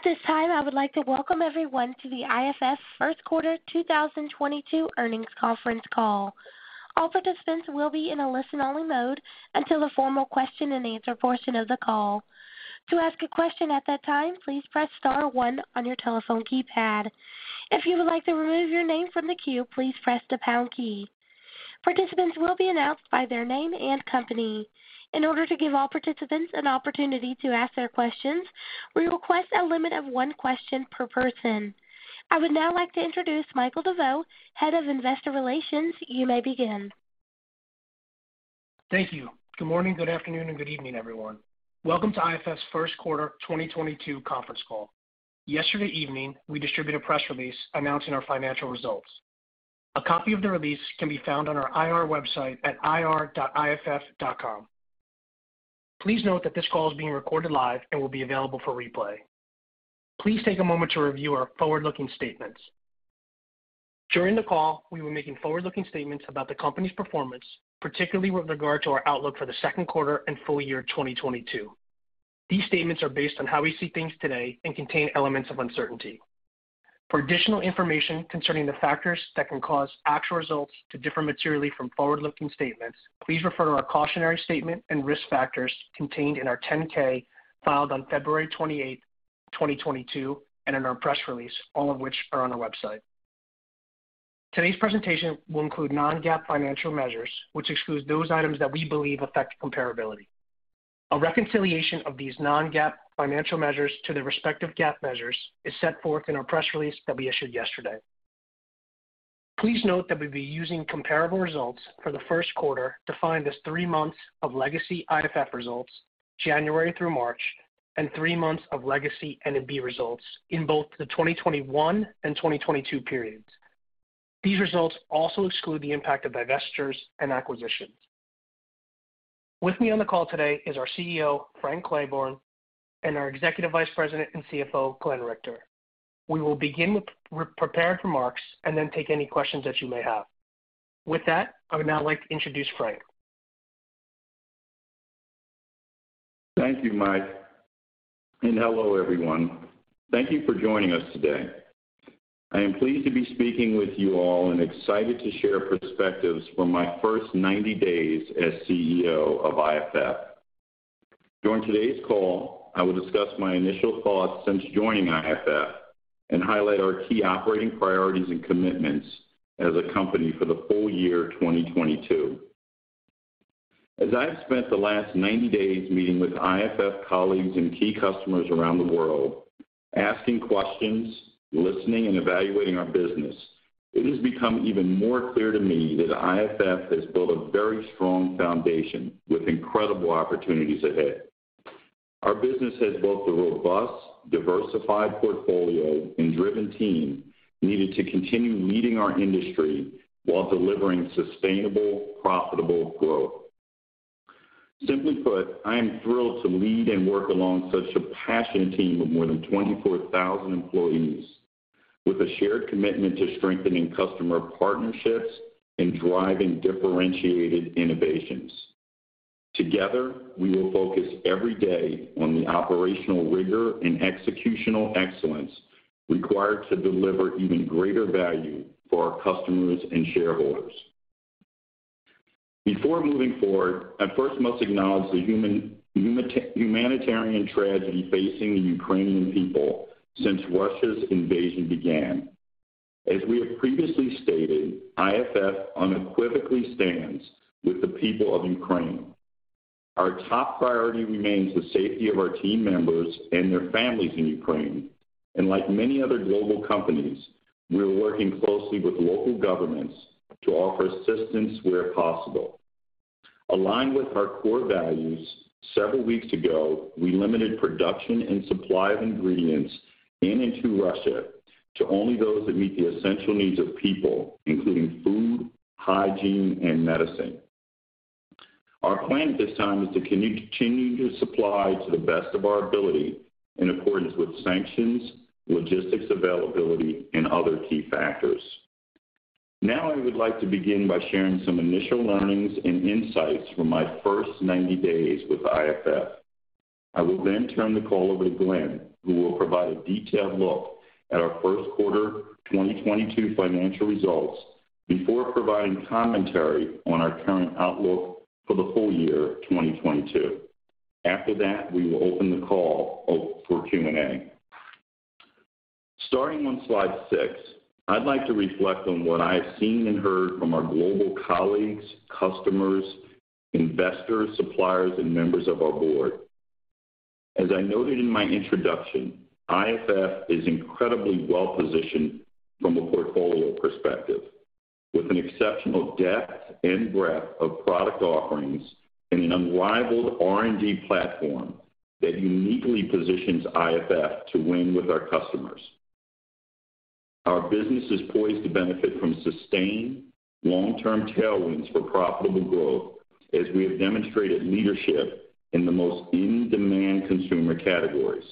At this time, I would like to welcome everyone to the IFF first quarter 2022 earnings conference call. All participants will be in a listen-only mode until the formal question-and-answer portion of the call. To ask a question at that time, please press star one on your telephone keypad. If you would like to remove your name from the queue, please press the pound key. Participants will be announced by their name and company. In order to give all participants an opportunity to ask their questions, we request a limit of one question per person. I would now like to introduce Michael DeVeau, Head of Investor Relations. You may begin. Thank you. Good morning, good afternoon, and good evening, everyone. Welcome to IFF's first quarter 2022 conference call. Yesterday evening, we distributed a press release announcing our financial results. A copy of the release can be found on our IR website at ir.iff.com. Please note that this call is being recorded live and will be available for replay. Please take a moment to review our forward-looking statements. During the call, we will be making forward-looking statements about the company's performance, particularly with regard to our outlook for the second quarter and full year 2022. These statements are based on how we see things today and contain elements of uncertainty. For additional information concerning the factors that can cause actual results to differ materially from forward-looking statements, please refer to our cautionary statement and risk factors contained in our 10-K filed on February 28, 2022, and in our press release, all of which are on our website. Today's presentation will include non-GAAP financial measures, which excludes those items that we believe affect comparability. A reconciliation of these non-GAAP financial measures to their respective GAAP measures is set forth in our press release that we issued yesterday. Please note that we'll be using comparable results for the first quarter, defined as three months of legacy IFF results, January through March, and three months of legacy N&B results in both the 2021 and 2022 periods. These results also exclude the impact of divestitures and acquisitions. With me on the call today is our CEO, Frank Clyburn, and our Executive Vice President and CFO, Glenn Richter. We will begin with pre-prepared remarks and then take any questions that you may have. With that, I would now like to introduce Frank. Thank you, Mike. Hello, everyone. Thank you for joining us today. I am pleased to be speaking with you all and excited to share perspectives from my first 90 days as CEO of IFF. During today's call, I will discuss my initial thoughts since joining IFF and highlight our key operating priorities and commitments as a company for the full year 2022. As I have spent the last 90 days meeting with IFF colleagues and key customers around the world, asking questions, listening, and evaluating our business, it has become even more clear to me that IFF has built a very strong foundation with incredible opportunities ahead. Our business has both the robust, diversified portfolio and driven team needed to continue leading our industry while delivering sustainable, profitable growth. Simply put, I am thrilled to lead and work along such a passionate team of more than 24,000 employees with a shared commitment to strengthening customer partnerships and driving differentiated innovations. Together, we will focus every day on the operational rigor and executional excellence required to deliver even greater value for our customers and shareholders. Before moving forward, I first must acknowledge the humanitarian tragedy facing the Ukrainian people since Russia's invasion began. As we have previously stated, IFF unequivocally stands with the people of Ukraine. Our top priority remains the safety of our team members and their families in Ukraine. Like many other global companies, we are working closely with local governments to offer assistance where possible. Aligned with our core values, several weeks ago, we limited production and supply of ingredients in and to Russia to only those that meet the essential needs of people, including food, hygiene, and medicine. Our plan at this time is to continue to supply to the best of our ability in accordance with sanctions, logistics availability, and other key factors. Now I would like to begin by sharing some initial learnings and insights from my first 90 days with IFF. I will then turn the call over to Glenn, who will provide a detailed look at our first quarter 2022 financial results before providing commentary on our current outlook for the full year 2022. After that, we will open the call for Q&A. Starting on slide six, I'd like to reflect on what I have seen and heard from our global colleagues, customers, investors, suppliers, and members of our board. As I noted in my introduction, IFF is incredibly well-positioned from a portfolio perspective, with an exceptional depth and breadth of product offerings and an unrivaled R&D platform that uniquely positions IFF to win with our customers. Our business is poised to benefit from sustained long-term tailwinds for profitable growth as we have demonstrated leadership in the most in-demand consumer categories.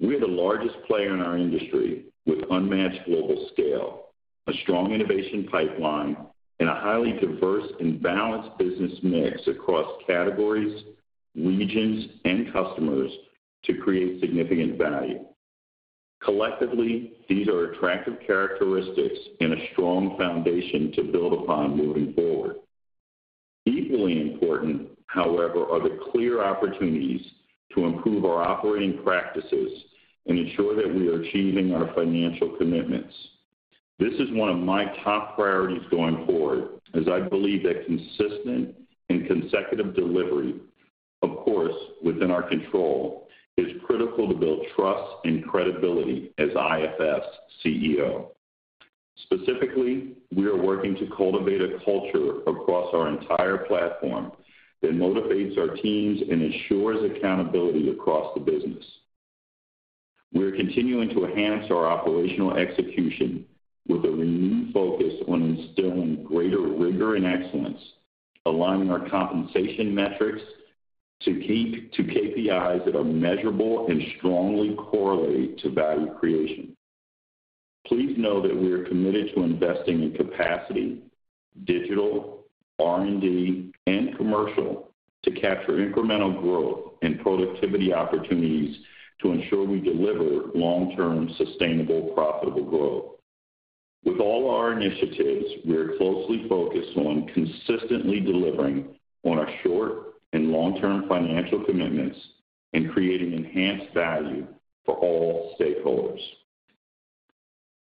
We are the largest player in our industry with unmatched global scale. A strong innovation pipeline and a highly diverse and balanced business mix across categories, regions, and customers to create significant value. Collectively, these are attractive characteristics and a strong foundation to build upon moving forward. Equally important, however, are the clear opportunities to improve our operating practices and ensure that we are achieving our financial commitments. This is one of my top priorities going forward, as I believe that consistent and consecutive delivery, of course, within our control, is critical to build trust and credibility as IFF's CEO. Specifically, we are working to cultivate a culture across our entire platform that motivates our teams and ensures accountability across the business. We are continuing to enhance our operational execution with a renewed focus on instilling greater rigor and excellence, aligning our compensation metrics to keep to KPIs that are measurable and strongly correlate to value creation. Please know that we are committed to investing in capacity, digital, R&D, and commercial to capture incremental growth and productivity opportunities to ensure we deliver long-term, sustainable, profitable growth. With all our initiatives, we are closely focused on consistently delivering on our short and long-term financial commitments and creating enhanced value for all stakeholders.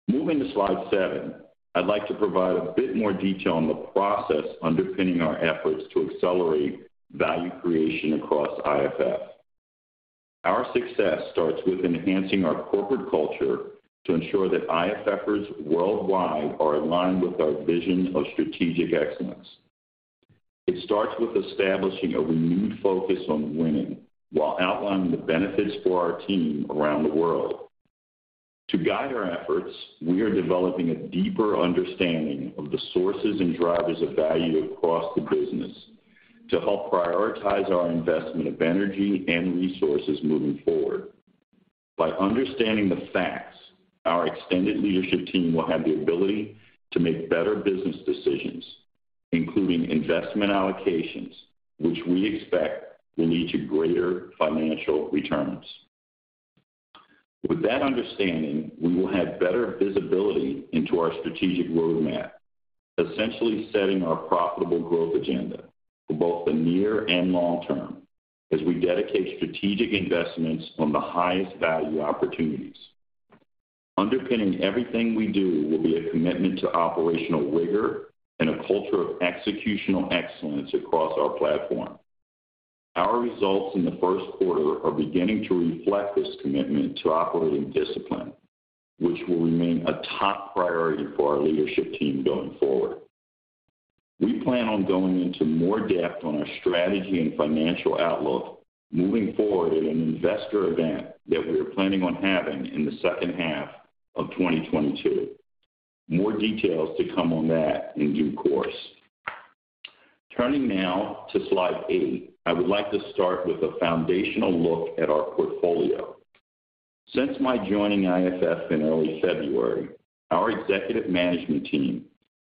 Moving to slide seven, I'd like to provide a bit more detail on the process underpinning our efforts to accelerate value creation across IFF. Our success starts with enhancing our corporate culture to ensure that IFFers worldwide are aligned with our vision of strategic excellence. It starts with establishing a renewed focus on winning while outlining the benefits for our team around the world. To guide our efforts, we are developing a deeper understanding of the sources and drivers of value across the business to help prioritize our investment of energy and resources moving forward. By understanding the facts, our extended leadership team will have the ability to make better business decisions, including investment allocations, which we expect will lead to greater financial returns. With that understanding, we will have better visibility into our strategic roadmap, essentially setting our profitable growth agenda for both the near and long term as we dedicate strategic investments on the highest value opportunities. Underpinning everything we do will be a commitment to operational rigor and a culture of executional excellence across our platform. Our results in the first quarter are beginning to reflect this commitment to operating discipline, which will remain a top priority for our leadership team going forward. We plan on going into more depth on our strategy and financial outlook moving forward at an investor event that we are planning on having in the second half of 2022. More details to come on that in due course. Turning now to slide eight, I would like to start with a foundational look at our portfolio. Since my joining IFF in early February, our executive management team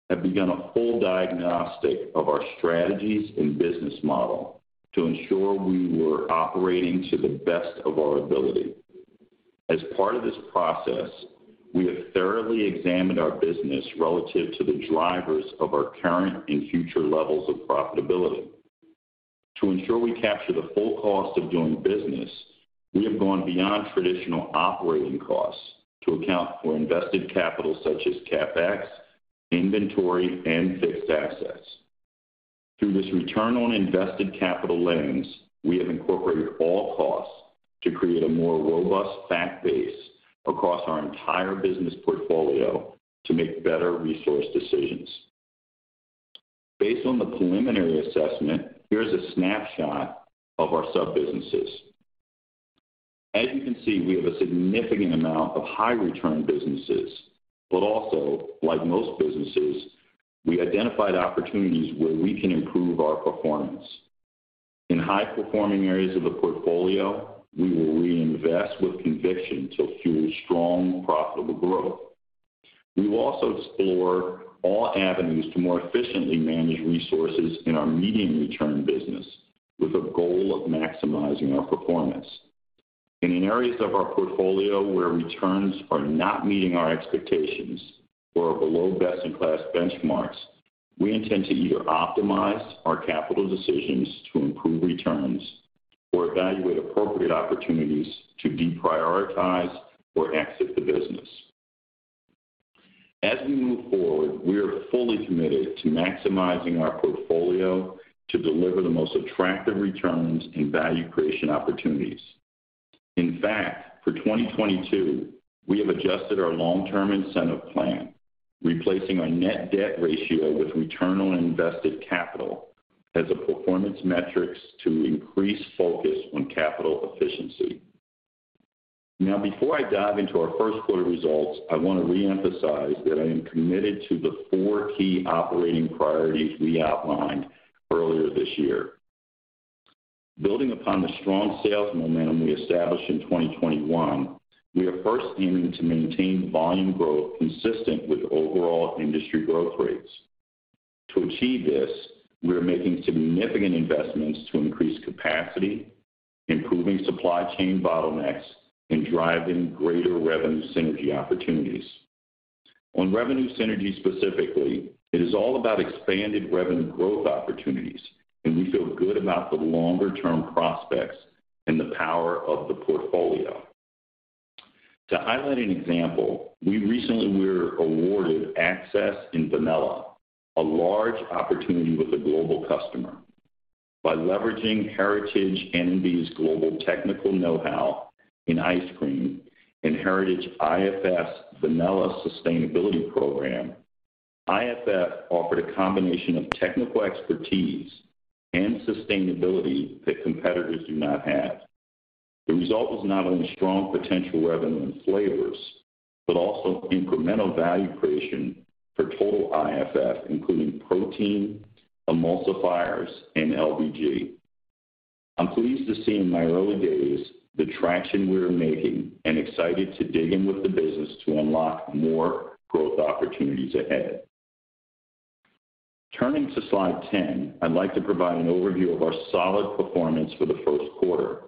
have begun a full diagnostic of our strategies and business model to ensure we were operating to the best of our ability. As part of this process, we have thoroughly examined our business relative to the drivers of our current and future levels of profitability. To ensure we capture the full cost of doing business, we have gone beyond traditional operating costs to account for invested capital such as CapEx, inventory, and fixed assets. Through this return on invested capital lens, we have incorporated all costs to create a more robust fact base across our entire business portfolio to make better resource decisions. Based on the preliminary assessment, here's a snapshot of our sub-businesses. As you can see, we have a significant amount of high-return businesses, but also, like most businesses, we identified opportunities where we can improve our performance. In high-performing areas of the portfolio, we will reinvest with conviction to fuel strong, profitable growth. We will also explore all avenues to more efficiently manage resources in our medium-return business with a goal of maximizing our performance. In areas of our portfolio where returns are not meeting our expectations or are below best-in-class benchmarks, we intend to either optimize our capital decisions to improve returns or evaluate appropriate opportunities to deprioritize or exit the business. As we move forward, we are fully committed to maximizing our portfolio to deliver the most attractive returns and value creation opportunities. In fact, for 2022, we have adjusted our long-term incentive plan, replacing our net debt ratio with return on invested capital as a performance metrics to increase focus on capital efficiency. Now before I dive into our first quarter results, I want to reemphasize that I am committed to the four key operating priorities we outlined earlier this year. Building upon the strong sales momentum we established in 2021, we are first aiming to maintain volume growth consistent with overall industry growth rates. To achieve this, we are making significant investments to increase capacity, improving supply chain bottlenecks, and driving greater revenue synergy opportunities. On revenue synergy specifically, it is all about expanded revenue growth opportunities, and we feel good about the longer term prospects and the power of the portfolio. To highlight an example, we recently were awarded access in vanilla, a large opportunity with a global customer. By leveraging Heritage N&B's global technical know-how in ice cream and Heritage IFF's Vanilla Sustainability Program, IFF offered a combination of technical expertise and sustainability that competitors do not have. The result was not only strong potential revenue in flavors, but also incremental value creation for total IFF, including protein, emulsifiers, and LBG. I'm pleased to see in my early days the traction we are making and excited to dig in with the business to unlock more growth opportunities ahead. Turning to slide 10, I'd like to provide an overview of our solid performance for the first quarter.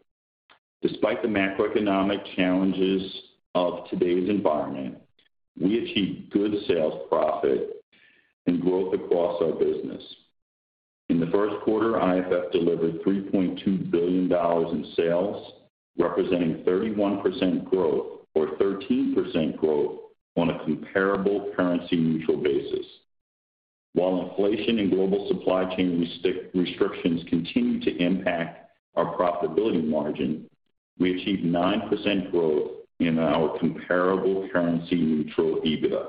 Despite the macroeconomic challenges of today's environment, we achieved good sales profit and growth across our business. In the first quarter, IFF delivered $3.2 billion in sales, representing 31% growth or 13% growth on a comparable currency neutral basis. While inflation and global supply chain restrictions continue to impact our profitability margin, we achieved 9% growth in our comparable currency neutral EBITDA.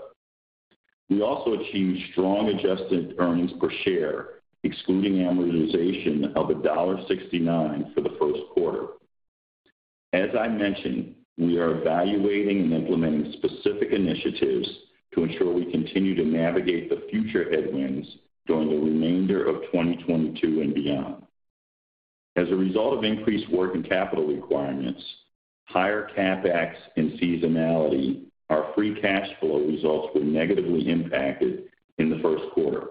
We also achieved strong adjusted earnings per share, excluding amortization of $1.69 for the first quarter. As I mentioned, we are evaluating and implementing specific initiatives to ensure we continue to navigate the future headwinds during the remainder of 2022 and beyond. As a result of increased working capital requirements, higher CapEx and seasonality, our free cash flow results were negatively impacted in the first quarter.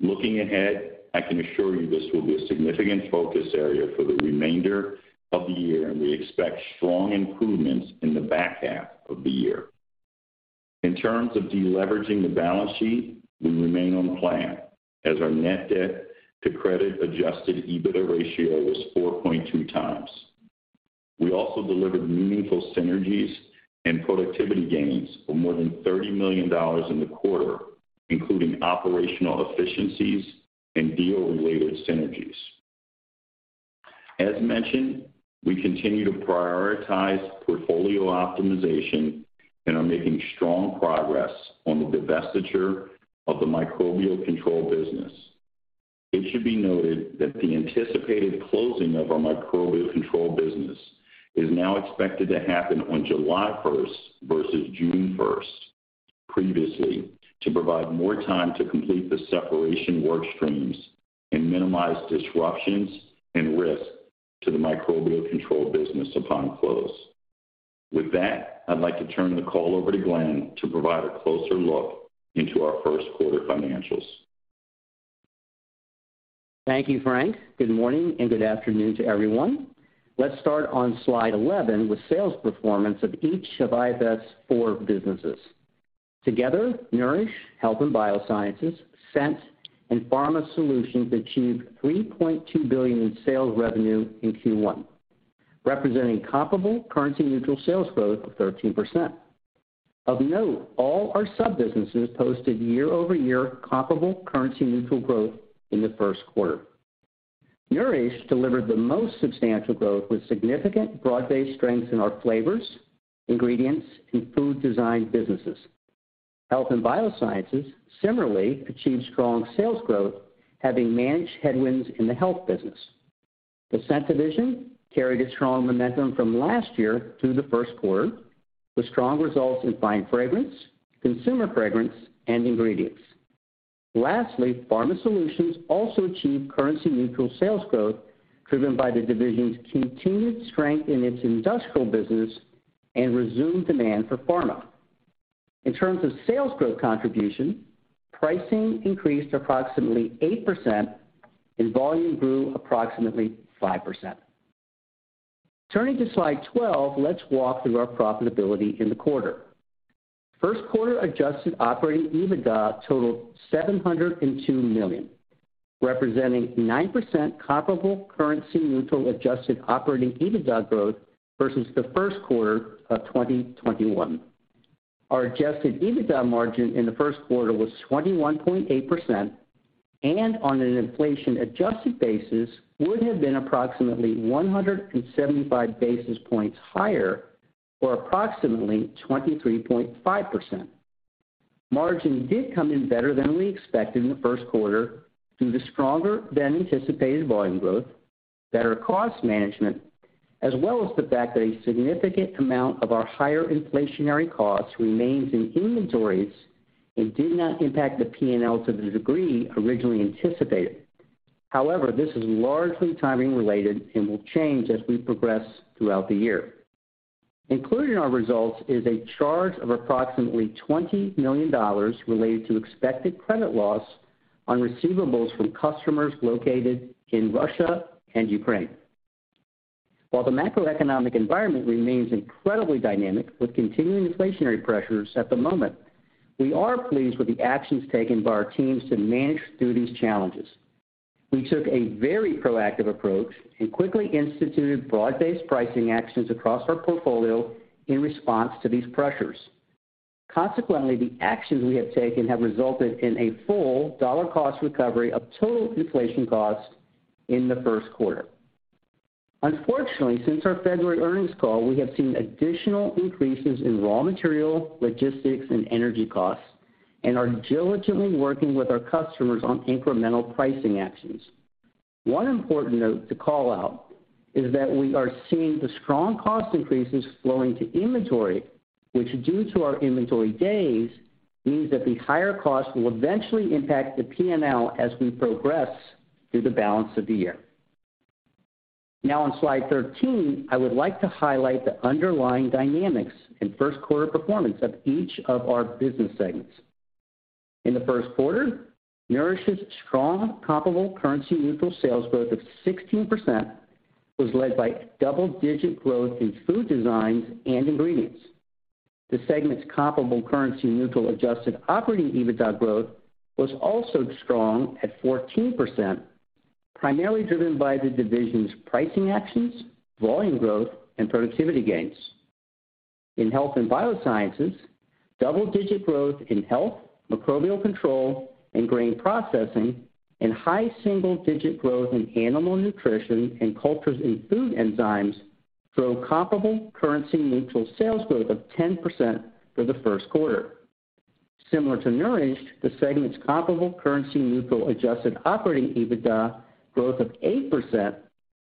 Looking ahead, I can assure you this will be a significant focus area for the remainder of the year, and we expect strong improvements in the back half of the year. In terms of deleveraging the balance sheet, we remain on plan as our net debt to credit adjusted EBITDA ratio was 4.2x. We also delivered meaningful synergies and productivity gains of more than $30 million in the quarter, including operational efficiencies and deal-related synergies. As mentioned, we continue to prioritize portfolio optimization and are making strong progress on the divestiture of the Microbial Control business. It should be noted that the anticipated closing of our Microbial Control business is now expected to happen on July first versus June first previously to provide more time to complete the separation work streams and minimize disruptions and risk to the Microbial Control business upon close. With that, I'd like to turn the call over to Glenn to provide a closer look into our first quarter financials. Thank you, Frank. Good morning and good afternoon to everyone. Let's start on slide 11 with sales performance of each of IFF's four businesses. Together, Nourish, Health & Biosciences, Scent and Pharma Solutions achieved $3.2 billion in sales revenue in Q1, representing comparable currency neutral sales growth of 13%. Of note, all our sub-businesses posted year-over-year comparable currency neutral growth in the first quarter. Nourish delivered the most substantial growth with significant broad-based strengths in our flavors, ingredients and food designs businesses. Health & Biosciences similarly achieved strong sales growth, having managed headwinds in the health business. The Scent division carried its strong momentum from last year through the first quarter with strong results in Fine Fragrance, Consumer Fragrance and ingredients. Lastly, Pharma Solutions also achieved currency neutral sales growth driven by the division's continued strength in its industrial business and resumed demand for pharma. In terms of sales growth contribution, pricing increased approximately 8% and volume grew approximately 5%. Turning to slide 12, let's walk through our profitability in the quarter. First quarter adjusted operating EBITDA totaled $702 million, representing 9% comparable currency neutral adjusted operating EBITDA growth versus the first quarter of 2021. Our adjusted EBITDA margin in the first quarter was 21.8% and on an inflation adjusted basis would have been approximately 175 basis points higher for approximately 23.5%. Margin did come in better than we expected in the first quarter due to stronger than anticipated volume growth, better cost management, as well as the fact that a significant amount of our higher inflationary costs remains in inventories and did not impact the P&L to the degree originally anticipated. However, this is largely timing related and will change as we progress throughout the year. Included in our results is a charge of approximately $20 million related to expected credit loss on receivables from customers located in Russia and Ukraine. While the macroeconomic environment remains incredibly dynamic with continuing inflationary pressures at the moment, we are pleased with the actions taken by our teams to manage through these challenges. We took a very proactive approach and quickly instituted broad-based pricing actions across our portfolio in response to these pressures. Consequently, the actions we have taken have resulted in a full dollar cost recovery of total inflation costs in the first quarter. Unfortunately, since our February earnings call, we have seen additional increases in raw material, logistics and energy costs, and are diligently working with our customers on incremental pricing actions. One important note to call out is that we are seeing the strong cost increases flowing to inventory, which, due to our inventory days, means that the higher costs will eventually impact the PNL as we progress through the balance of the year. Now on slide 13, I would like to highlight the underlying dynamics and first quarter performance of each of our business segments. In the first quarter, Nourish's strong comparable currency neutral sales growth of 16% was led by double-digit growth in food designs and ingredients. The segment's comparable currency neutral adjusted operating EBITDA growth was also strong at 14%, primarily driven by the division's pricing actions, volume growth, and productivity gains. In Health and Biosciences, double-digit growth in health, microbial control, and grain processing, and high single-digit growth in animal nutrition and cultures and food enzymes drove comparable currency neutral sales growth of 10% for the first quarter. Similar to Nourish, the segment's comparable currency neutral adjusted operating EBITDA growth of 8%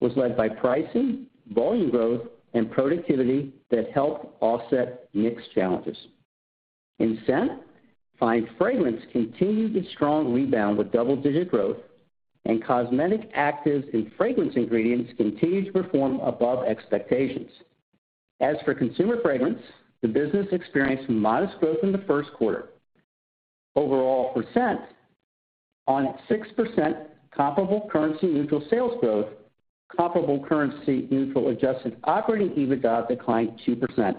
was led by pricing, volume growth, and productivity that helped offset mix challenges. In Scent, Fine Fragrance continued its strong rebound with double-digit growth, and cosmetic actives and fragrance ingredients continued to perform above expectations. As for Consumer Fragrance, the business experienced modest growth in the first quarter. Overall for Scent, on 6% comparable currency neutral sales growth, comparable currency neutral adjusted operating EBITDA declined 2%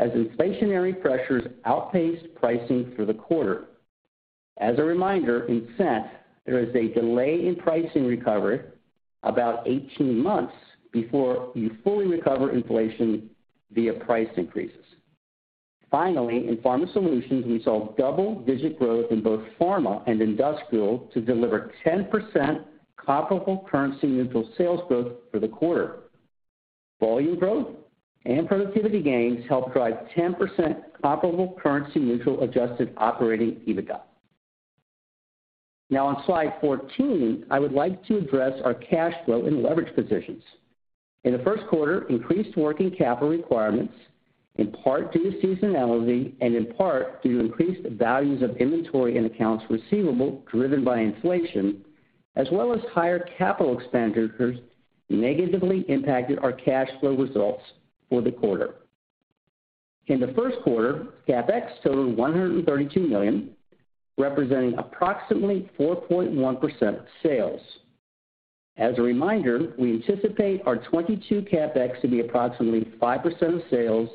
as inflationary pressures outpaced pricing through the quarter. As a reminder, in Scent, there is a delay in pricing recovery about 18 months before you fully recover inflation via price increases. Finally, in Pharma Solutions, we saw double-digit growth in both pharma and industrial to deliver 10% comparable currency neutral sales growth for the quarter. Volume growth and productivity gains helped drive 10% comparable currency neutral adjusted operating EBITDA. Now on slide 14, I would like to address our cash flow and leverage positions. In the first quarter, increased working capital requirements, in part due to seasonality and in part due to increased values of inventory and accounts receivable driven by inflation, as well as higher capital expenditures, negatively impacted our cash flow results for the quarter. In the first quarter, CapEx totaled $132 million, representing approximately 4.1% of sales. As a reminder, we anticipate our 2022 CapEx to be approximately 5% of sales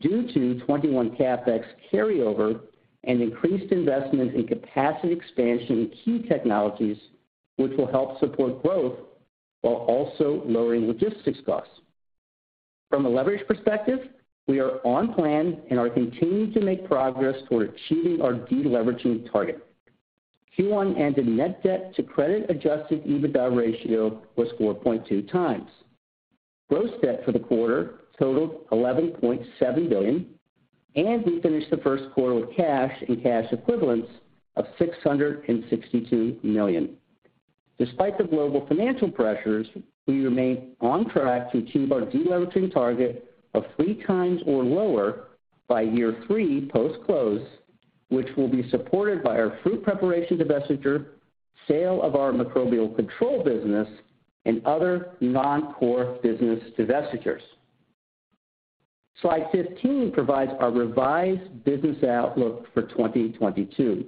due to 2021 CapEx carryover and increased investment in capacity expansion in key technologies which will help support growth while also lowering logistics costs. From a leverage perspective, we are on plan and are continuing to make progress toward achieving our deleveraging target. Q1 ended net debt to credit-adjusted EBITDA ratio was 4.2x. Gross debt for the quarter totaled $11.7 billion, and we finished the first quarter with cash and cash equivalents of $662 million. Despite the global financial pressures, we remain on track to achieve our deleveraging target of 3x or lower by year three post-close, which will be supported by our fruit preparation divestiture, sale of our Microbial Control business, and other non-core business divestitures. Slide 15 provides our revised business outlook for 2022.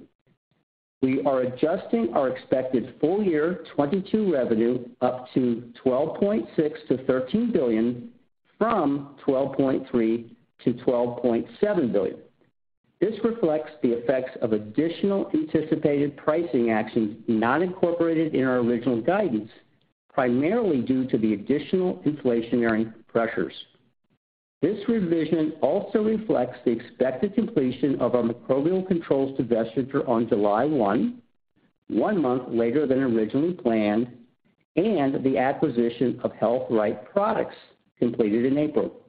We are adjusting our expected full year 2022 revenue up to $12.6 billion-$13 billion from $12.3 billion-$12.7 billion. This reflects the effects of additional anticipated pricing actions not incorporated in our original guidance, primarily due to the additional inflationary pressures. This revision also reflects the expected completion of our Microbial Control divestiture on July 1, one month later than originally planned, and the acquisition of Health Wright Products completed in April.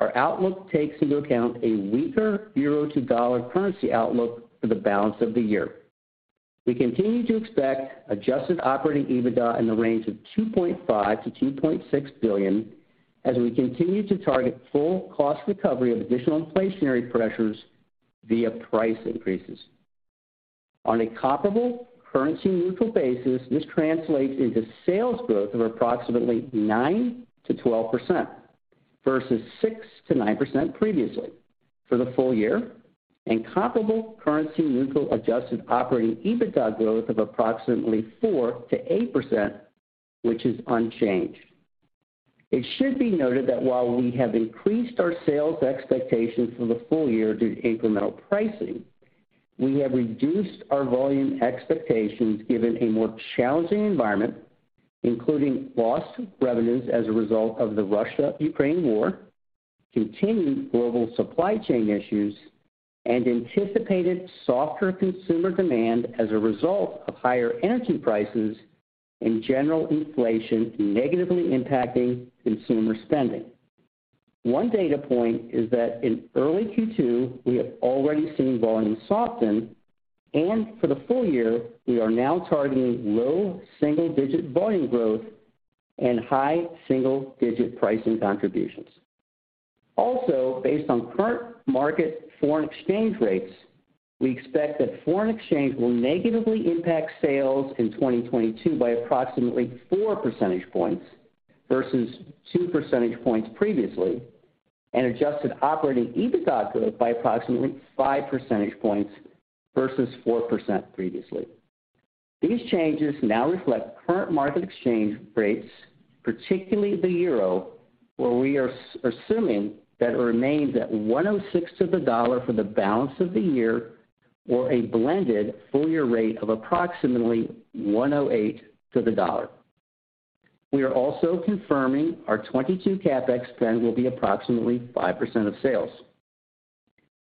Our outlook takes into account a weaker euro-to-dollar currency outlook for the balance of the year. We continue to expect adjusted operating EBITDA in the range of $2.5 billion-$2.6 billion, as we continue to target full cost recovery of additional inflationary pressures via price increases. On a comparable currency neutral basis, this translates into sales growth of approximately 9%-12% versus 6%-9% previously for the full year, and comparable currency neutral adjusted operating EBITDA growth of approximately 4%-8%, which is unchanged. It should be noted that while we have increased our sales expectations for the full year due to incremental pricing, we have reduced our volume expectations given a more challenging environment, including lost revenues as a result of the Russia-Ukraine war, continued global supply chain issues, and anticipated softer consumer demand as a result of higher energy prices and general inflation negatively impacting consumer spending. One data point is that in early Q2, we have already seen volumes soften, and for the full year, we are now targeting low single-digit volume growth and high single-digit pricing contributions. Also, based on current market foreign exchange rates, we expect that foreign exchange will negatively impact sales in 2022 by approximately 4 percentage points versus 2 percentage points previously, and adjusted operating EBITDA growth by approximately 5 percentage points versus 4% previously. These changes now reflect current market exchange rates, particularly the euro, where we are assuming that it remains at 1.06 to the dollar for the balance of the year or a blended full year rate of approximately 1.08 to the dollar. We are also confirming our 2022 CapEx spend will be approximately 5% of sales.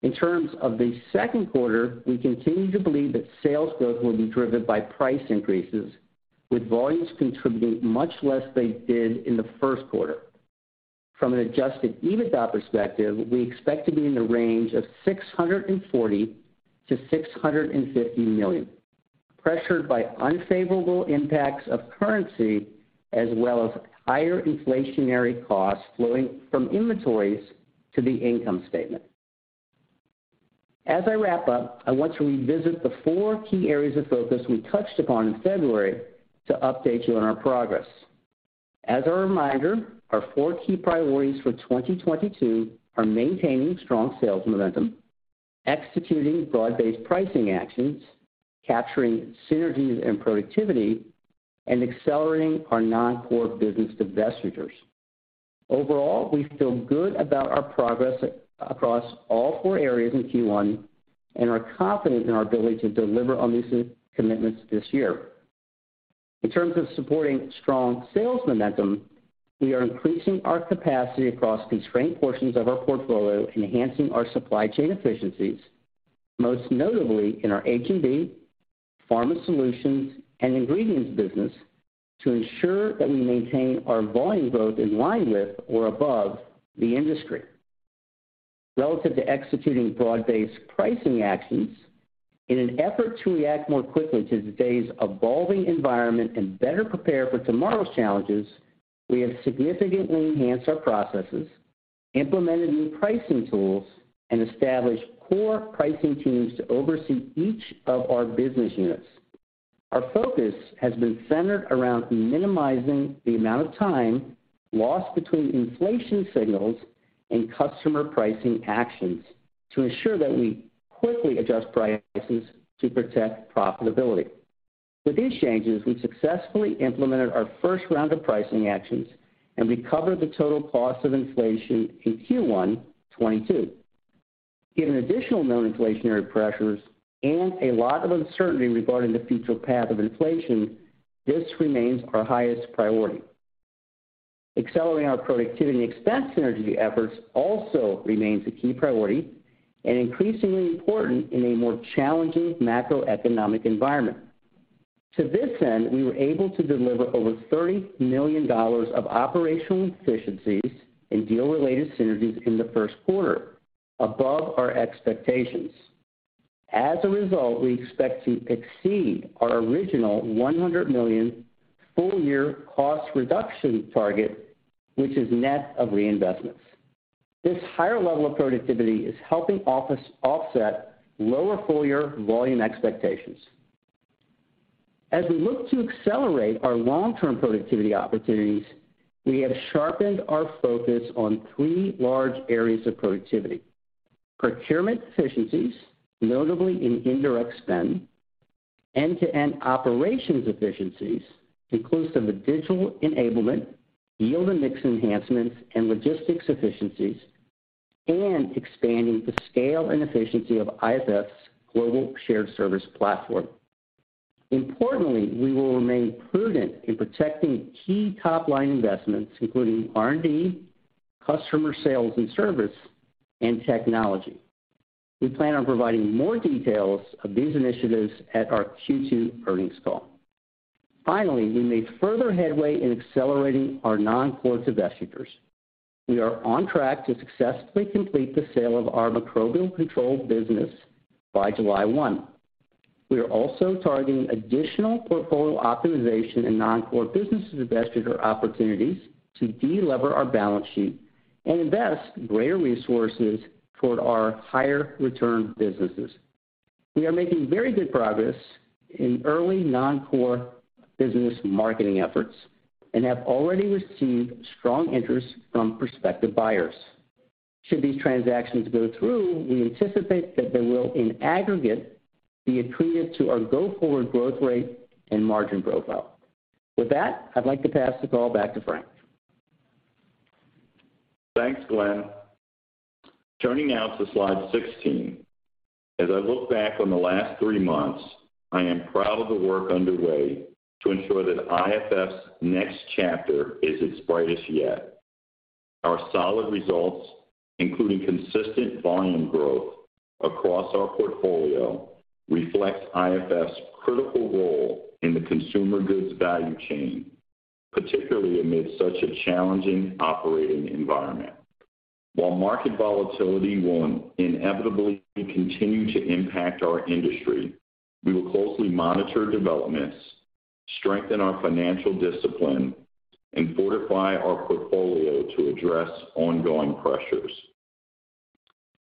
In terms of the second quarter, we continue to believe that sales growth will be driven by price increases, with volumes contributing much less than they did in the first quarter. From an adjusted EBITDA perspective, we expect to be in the range of $640 million-$650 million, pressured by unfavorable impacts of currency as well as higher inflationary costs flowing from inventories to the income statement. As I wrap up, I want to revisit the four key areas of focus we touched upon in February to update you on our progress. As a reminder, our four key priorities for 2022 are maintaining strong sales momentum, executing broad-based pricing actions, capturing synergies and productivity, and accelerating our non-core business divestitures. Overall, we feel good about our progress across all four areas in Q1 and are confident in our ability to deliver on these commitments this year. In terms of supporting strong sales momentum, we are increasing our capacity across constrained portions of our portfolio, enhancing our supply chain efficiencies, most notably in our H&B, Pharma Solutions, and ingredients business to ensure that we maintain our volume growth in line with or above the industry. Relative to executing broad-based pricing actions, in an effort to react more quickly to today's evolving environment and better prepare for tomorrow's challenges, we have significantly enhanced our processes, implemented new pricing tools, and established core pricing teams to oversee each of our business units. Our focus has been centered around minimizing the amount of time lost between inflation signals and customer pricing actions to ensure that we quickly adjust prices to protect profitability. With these changes, we successfully implemented our first round of pricing actions and recovered the total cost of inflation in Q1 2022. Given additional known inflationary pressures and a lot of uncertainty regarding the future path of inflation, this remains our highest priority. Accelerating our productivity and expense synergy efforts also remains a key priority and increasingly important in a more challenging macroeconomic environment. To this end, we were able to deliver over $30 million of operational efficiencies and deal-related synergies in the first quarter above our expectations. As a result, we expect to exceed our original $100 million full-year cost reduction target, which is net of reinvestments. This higher level of productivity is helping offset lower full-year volume expectations. As we look to accelerate our long-term productivity opportunities, we have sharpened our focus on three large areas of productivity: procurement efficiencies, notably in indirect spend, end-to-end operations efficiencies inclusive of digital enablement, yield and mix enhancements, and logistics efficiencies, and expanding the scale and efficiency of IFF's global shared service platform. Importantly, we will remain prudent in protecting key top-line investments, including R&D, customer sales and service, and technology. We plan on providing more details of these initiatives at our Q2 earnings call. Finally, we made further headway in accelerating our non-core divestitures. We are on track to successfully complete the sale of our Microbial Control business by July 1. We are also targeting additional portfolio optimization and non-core business divestiture opportunities to de-lever our balance sheet and invest greater resources toward our higher return businesses. We are making very good progress in early non-core business marketing efforts and have already received strong interest from prospective buyers. Should these transactions go through, we anticipate that they will in aggregate be accretive to our go-forward growth rate and margin profile. With that, I'd like to pass the call back to Frank. Thanks, Glenn. Turning now to slide 16. As I look back on the last three months, I am proud of the work underway to ensure that IFF's next chapter is its brightest yet. Our solid results, including consistent volume growth across our portfolio, reflects IFF's critical role in the consumer goods value chain, particularly amid such a challenging operating environment. While market volatility will inevitably continue to impact our industry, we will closely monitor developments, strengthen our financial discipline, and fortify our portfolio to address ongoing pressures.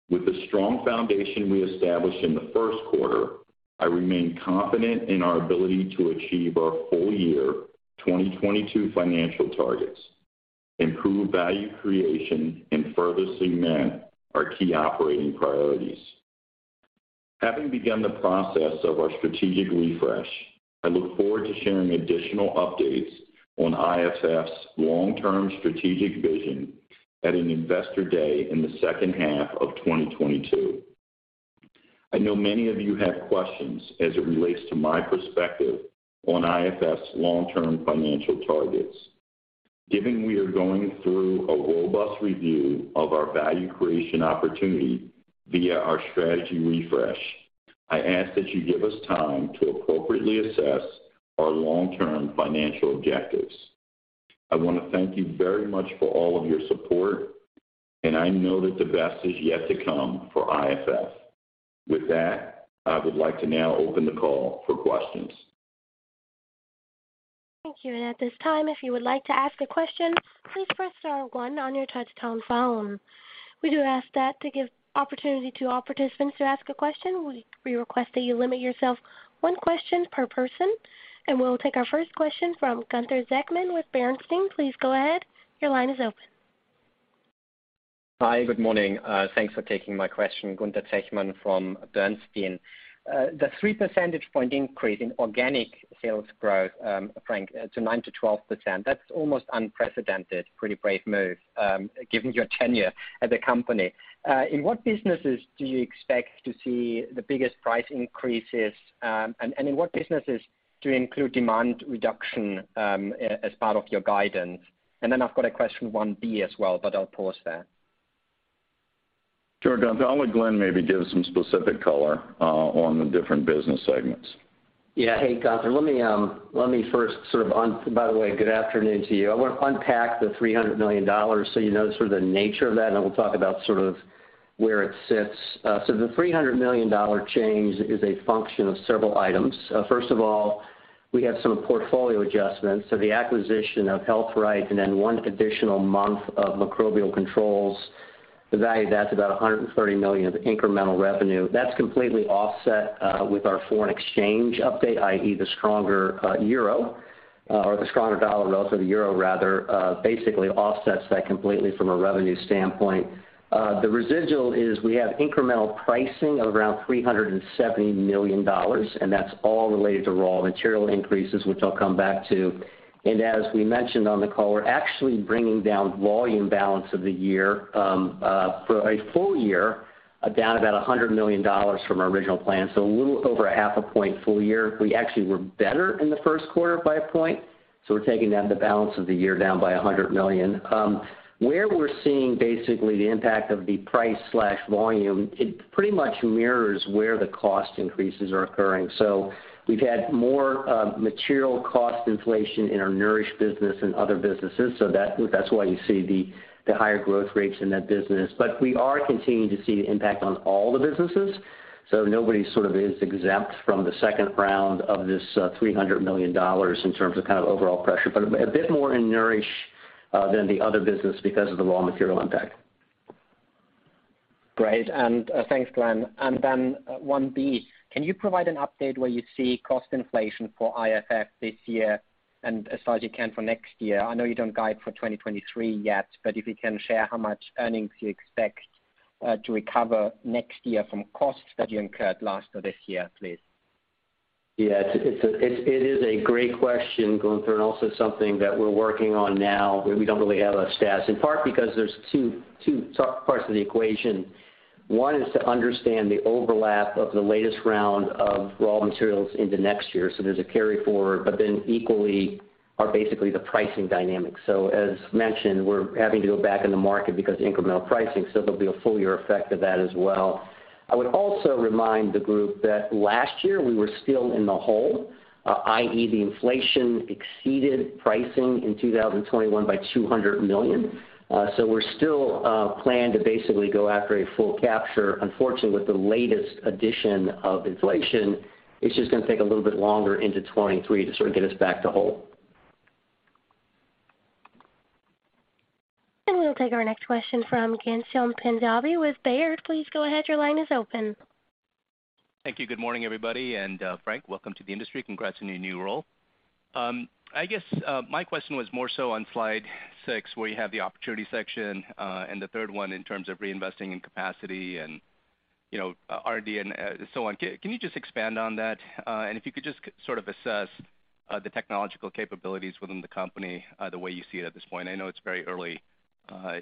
With the strong foundation we established in the first quarter, I remain confident in our ability to achieve our full year 2022 financial targets, improve value creation and further cement our key operating priorities. Having begun the process of our strategic refresh, I look forward to sharing additional updates on IFF long-term strategic vision at an Investor Day in the second half of 2022. I know many of you have questions as it relates to my perspective on IFF long-term financial targets. Given we are going through a robust review of our value creation opportunity via our strategy refresh, I ask that you give us time to appropriately assess our long-term financial objectives. I wanna thank you very much for all of your support, and I know that the best is yet to come for IFF. With that, I would like to now open the call for questions. Thank you. At this time, if you would like to ask a question, please press star one on your touchtone phone. We do ask that to give opportunity to all participants to ask a question. We request that you limit yourself one question per person, and we'll take our first question from Gunther Zechmann with Bernstein. Please go ahead. Your line is open. Hi. Good morning. Thanks for taking my question. Gunther Zechmann from Bernstein. The 3 percentage point increase in organic sales growth, Frank, to 9%-12%, that's almost unprecedented. Pretty brave move, given your tenure at the company. In what businesses do you expect to see the biggest price increases, and in what businesses do you include demand reduction as part of your guidance? I've got a question 1B as well, but I'll pause there. Sure, Gunther. I'll let Glenn maybe give some specific color on the different business segments. Yeah. Hey, Gunther. Let me first sort of. By the way, good afternoon to you. I want to unpack the $300 million, so you know sort of the nature of that, and then we'll talk about sort of where it sits. The $300 million change is a function of several items. First of all, we have some portfolio adjustments. The acquisition of Health Wright and then one additional month of Microbial Control, the value of that's about $130 million of incremental revenue. That's completely offset with our foreign exchange update, i.e., the stronger euro or the stronger dollar relative to the euro rather, basically offsets that completely from a revenue standpoint. The residual is we have incremental pricing of around $370 million, and that's all related to raw material increases, which I'll come back to. As we mentioned on the call, we're actually bringing down volume balance of the year for a full year down about $100 million from our original plan, so a little over half a point full year. We actually were better in the first quarter by a point, so we're taking down the balance of the year down by $100 million. Where we're seeing basically the impact of the price/volume, it pretty much mirrors where the cost increases are occurring. We've had more material cost inflation in our Nourish business than other businesses, so that's why you see the higher growth rates in that business. We are continuing to see the impact on all the businesses, so nobody sort of is exempt from the second round of this $300 million in terms of kind of overall pressure, but a bit more in Nourish than the other business because of the raw material impact. Great. Thanks, Glenn. One B, can you provide an update where you see cost inflation for IFF this year and as far as you can for next year? I know you don't guide for 2023 yet, but if you can share how much earnings you expect to recover next year from costs that you incurred last or this year, please. It is a great question, Gunther, and also something that we're working on now, but we don't really have stats, in part because there's two parts to the equation. One is to understand the overlap of the latest round of raw materials into next year, so there's a carry forward. Then equally, the pricing dynamics. As mentioned, we're having to go back in the market because incremental pricing, so there'll be a full year effect of that as well. I would also remind the group that last year we were still in the hole, i.e., the inflation exceeded pricing in 2021 by $200 million. We're still planned to basically go after a full capture. Unfortunately, with the latest addition of inflation, it's just gonna take a little bit longer into 2023 to sort of get us back to whole. We'll take our next question from Ghansham Panjabi with Baird. Please go ahead, your line is open. Thank you. Good morning, everybody. Frank, welcome to the industry. Congrats on your new role. I guess my question was more so on slide six, where you have the opportunity section, and the third one in terms of reinvesting in capacity and, you know, R&D and so on. Can you just expand on that? If you could just sort of assess the technological capabilities within the company, the way you see it at this point. I know it's very early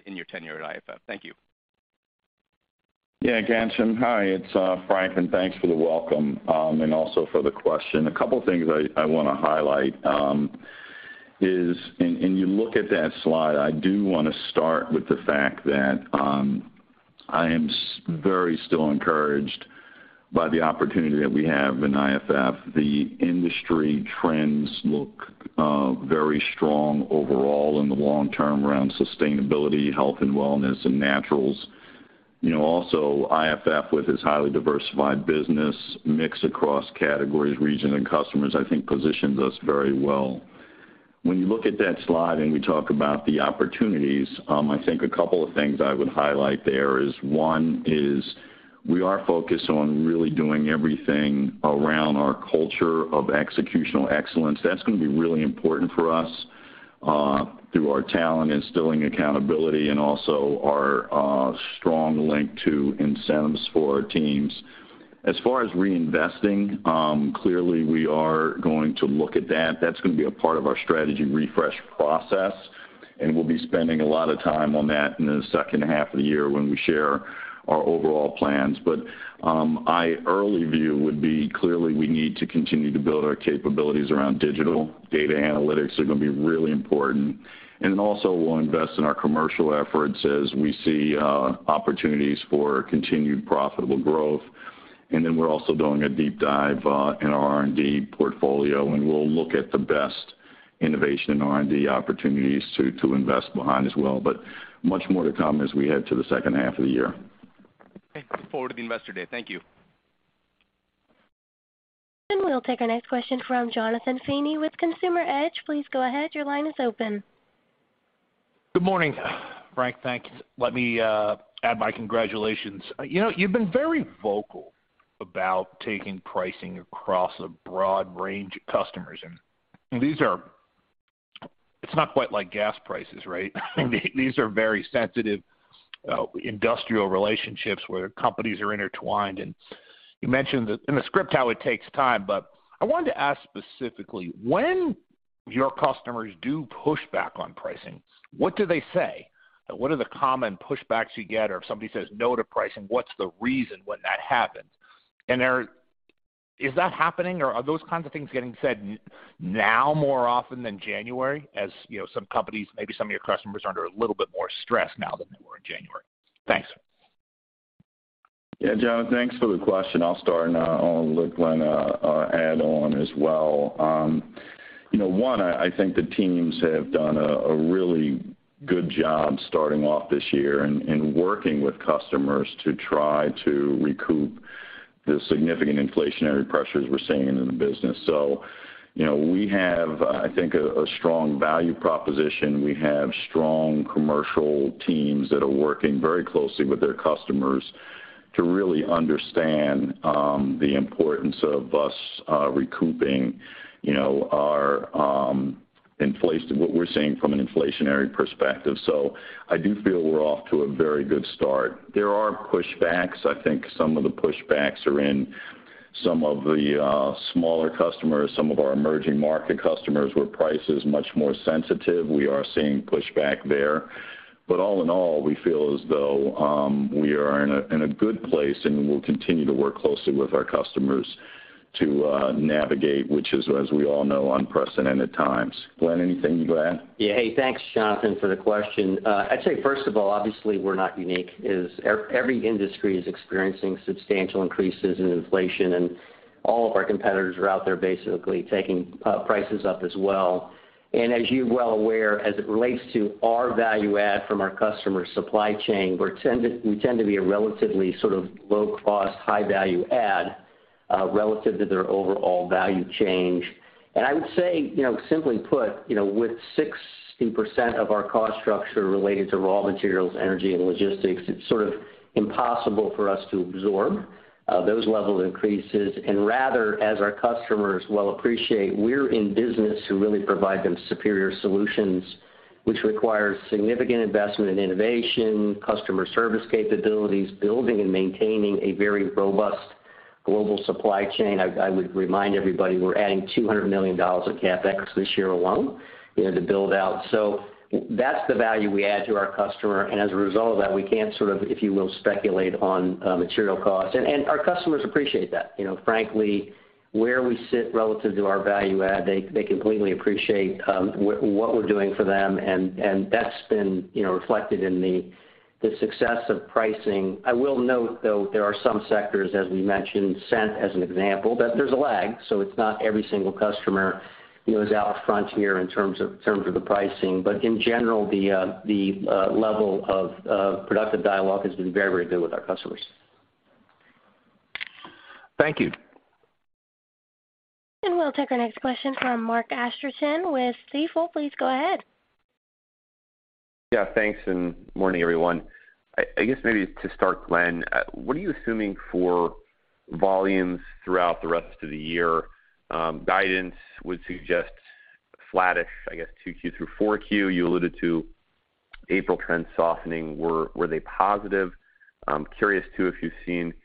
in your tenure at IFF. Thank you. Yeah. Ghansham, hi, it's Frank, and thanks for the welcome, and also for the question. A couple things I wanna highlight is. You look at that slide, I do wanna start with the fact that I am still very encouraged by the opportunity that we have in IFF. The industry trends look very strong overall in the long term around sustainability, health and wellness and naturals. You know, also IFF with its highly diversified business mix across categories, region and customers, I think positions us very well. When you look at that slide and we talk about the opportunities, I think a couple of things I would highlight there is, one is we are focused on really doing everything around our culture of executional excellence. That's gonna be really important for us through our talent instilling accountability and also our strong link to incentives for our teams. As far as reinvesting, clearly, we are going to look at that. That's gonna be a part of our strategy refresh process, and we'll be spending a lot of time on that in the second half of the year when we share our overall plans. Early view would be clearly we need to continue to build our capabilities around digital. Data analytics are gonna be really important. We'll invest in our commercial efforts as we see opportunities for continued profitable growth. We're also doing a deep dive in our R&D portfolio, and we'll look at the best innovation in R&D opportunities to invest behind as well. Much more to come as we head to the second half of the year. Okay. Look forward to the investor day. Thank you. We'll take our next question from Jonathan Feeney with Consumer Edge. Please go ahead, your line is open. Good morning, Frank. Thanks. Let me add my congratulations. You know, you've been very vocal about taking pricing across a broad range of customers, and these are. It's not quite like gas prices, right? These are very sensitive industrial relationships where companies are intertwined. You mentioned that in the script how it takes time. I wanted to ask specifically, when your customers do push back on pricing, what do they say? What are the common pushbacks you get? Or if somebody says no to pricing, what's the reason when that happens? Are. Is that happening or are those kinds of things getting said now more often than January, as you know, some companies, maybe some of your customers are under a little bit more stress now than they were in January? Thanks. Yeah. Jon, thanks for the question. I'll start, and I'll let Glenn add on as well. You know, I think the teams have done a really good job starting off this year and working with customers to try to recoup the significant inflationary pressures we're seeing in the business. You know, we have I think a strong value proposition. We have strong commercial teams that are working very closely with their customers to really understand the importance of us recouping you know our what we're seeing from an inflationary perspective. I do feel we're off to a very good start. There are pushbacks. I think some of the pushbacks are in some of the smaller customers, some of our emerging market customers, where price is much more sensitive. We are seeing pushback there. All in all, we feel as though we are in a good place, and we'll continue to work closely with our customers to navigate, which is, as we all know, unprecedented times. Glenn, anything to add? Yeah. Hey, thanks, Jonathan, for the question. I'd say, first of all, obviously we're not unique as every industry is experiencing substantial increases in inflation, and all of our competitors are out there basically taking prices up as well. As you're well aware, as it relates to our value add from our customer supply chain, we tend to be a relatively sort of low cost, high value add relative to their overall value chain. I would say, you know, simply put, you know, with 60% of our cost structure related to raw materials, energy and logistics, it's sort of impossible for us to absorb those levels of increases. Rather, as our customers well appreciate, we're in business to really provide them superior solutions, which requires significant investment in innovation, customer service capabilities, building and maintaining a very robust global supply chain. I would remind everybody we're adding $200 million of CapEx this year alone, you know, to build out. That's the value we add to our customer. As a result of that, we can't sort of, if you will, speculate on material costs. Our customers appreciate that. You know, frankly, where we sit relative to our value add, they completely appreciate what we're doing for them, and that's been, you know, reflected in the success of pricing. I will note, though, there are some sectors, as we mentioned, Scent as an example, that there's a lag, so it's not every single customer, you know, is out front here in terms of terms of the pricing. In general, the level of productive dialogue has been very, very good with our customers. Thank you. We'll take our next question from Mark Astrachan with Stifel. Please go ahead. Yeah, thanks, and morning, everyone. I guess maybe to start, Glenn, what are you assuming for volumes throughout the rest of the year? Guidance would suggest flattish, I guess, 2Q through 4Q. You alluded to April trends softening. Were they positive? I'm curious, too, if you've seen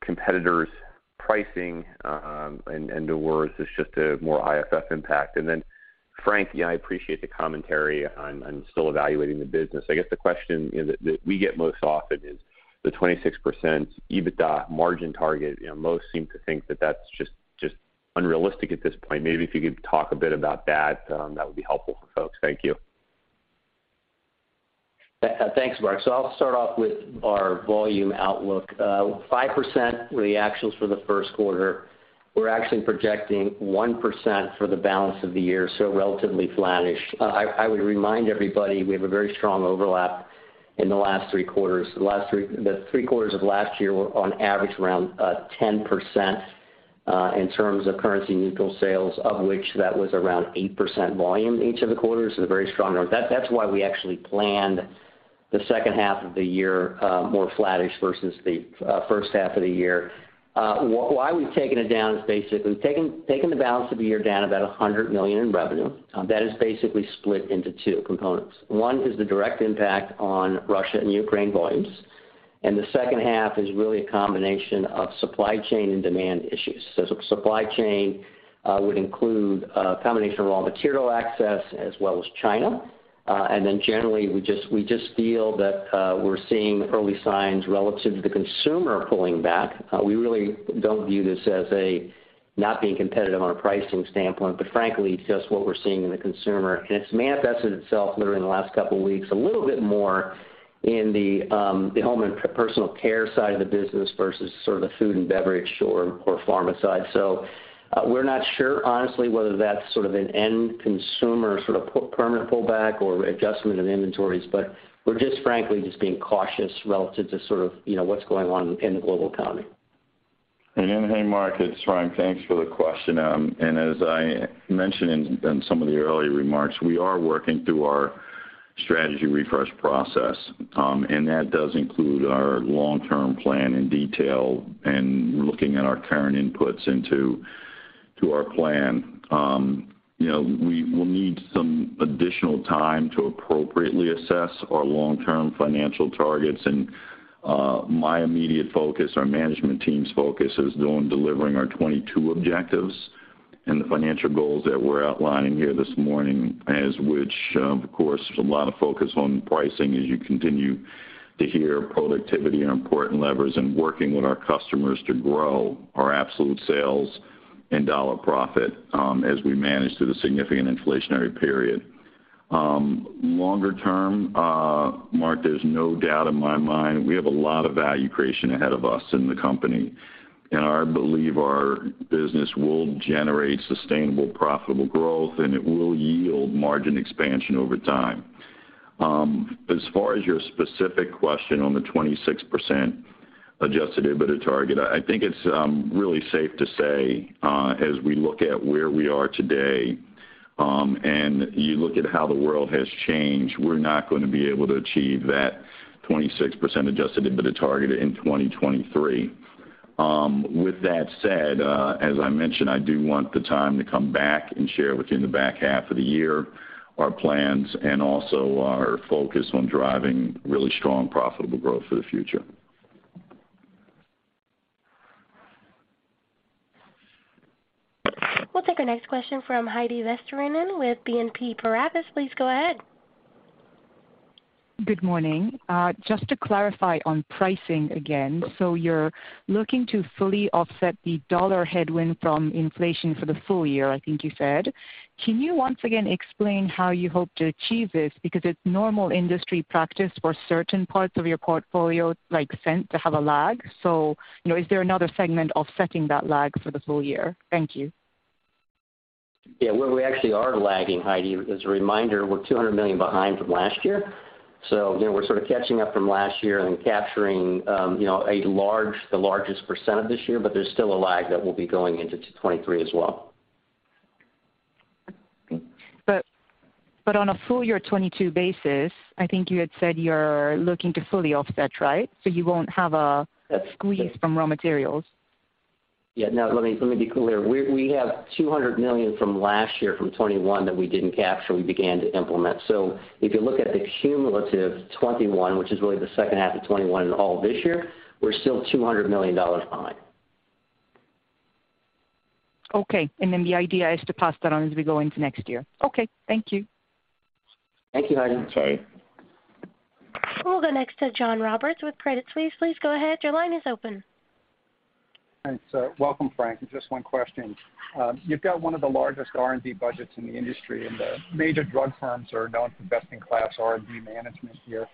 competitors' pricing, and/or is this just a more IFF impact? Frank, you know, I appreciate the commentary on still evaluating the business. I guess the question, you know, that we get most often is the 26% EBITDA margin target. You know, most seem to think that that's just unrealistic at this point. Maybe if you could talk a bit about that would be helpful for folks. Thank you. Thanks, Mark. I'll start off with our volume outlook. 5% were the actuals for the first quarter. We're actually projecting 1% for the balance of the year, so relatively flattish. I would remind everybody we have a very strong overlap in the last three quarters. The last three quarters of last year were on average around 10%, in terms of currency neutral sales, of which that was around 8% volume each of the quarters, so very strong growth. That's why we actually planned the second half of the year more flattish versus the first half of the year. Why we've taken it down is basically we've taken the balance of the year down about $100 million in revenue. That is basically split into two components. One is the direct impact on Russia and Ukraine volumes, and the second half is really a combination of supply chain and demand issues. Supply chain would include a combination of raw material access as well as China. Generally, we just feel that we're seeing early signs relative to the consumer pulling back. We really don't view this as a not being competitive on a pricing standpoint, but frankly, it's just what we're seeing in the consumer. It's manifested itself literally in the last couple weeks a little bit more in the home and personal care side of the business versus sort of the food and beverage or pharma side. We're not sure honestly whether that's sort of an end consumer sort of permanent pullback or adjustment of inventories, but we're just frankly being cautious relative to sort of, you know, what's going on in the global economy. Hey, Mark, it's Frank. Thanks for the question. As I mentioned in some of the earlier remarks, we are working through our strategy refresh process, and that does include our long-term plan in detail, and we're looking at our current inputs into our plan. You know, we will need some additional time to appropriately assess our long-term financial targets, and my immediate focus, our management team's focus is on delivering our 2022 objectives and the financial goals that we're outlining here this morning as which, of course, there's a lot of focus on pricing as you continue to hear productivity and important levers and working with our customers to grow our absolute sales and dollar profit, as we manage through the significant inflationary period. Longer term, Mark, there's no doubt in my mind, we have a lot of value creation ahead of us in the company, and I believe our business will generate sustainable profitable growth, and it will yield margin expansion over time. As far as your specific question on the 26% adjusted EBITDA target, I think it's really safe to say, as we look at where we are today, and you look at how the world has changed, we're not gonna be able to achieve that 26% adjusted EBITDA target in 2023. With that said, as I mentioned, I do want to take the time to come back and share with you in the back half of the year our plans and also our focus on driving really strong profitable growth for the future. We'll take our next question from Heidi Vesterinen with BNP Paribas. Please go ahead. Good morning. Just to clarify on pricing again. You're looking to fully offset the dollar headwind from inflation for the full year, I think you said. Can you once again explain how you hope to achieve this? Because it's normal industry practice for certain parts of your portfolio, like Scent, to have a lag. You know, is there another segment offsetting that lag for the full year? Thank you. Well, we actually are lagging, Heidi. As a reminder, we're $200 million behind from last year. You know, we're sort of catching up from last year and capturing the largest percent of this year, but there's still a lag that will be going into 2023 as well. On a full year 2022 basis, I think you had said you're looking to fully offset, right? You won't have a squeeze from raw materials. Yeah, no, let me be clear. We have $200 million from last year from 2021 that we didn't capture when we began to implement. If you look at the cumulative 2021, which is really the second half of 2021 and all of this year, we're still $200 million behind. Okay. The idea is to pass that on as we go into next year. Okay. Thank you. Thank you, Heidi. Sorry. We'll go next to John Roberts with Credit Suisse. Please go ahead. Your line is open. Thanks. Welcome, Frank. Just one question. You've got one of the largest R&D budgets in the industry, and the major drug firms are known for best in class R&D management here.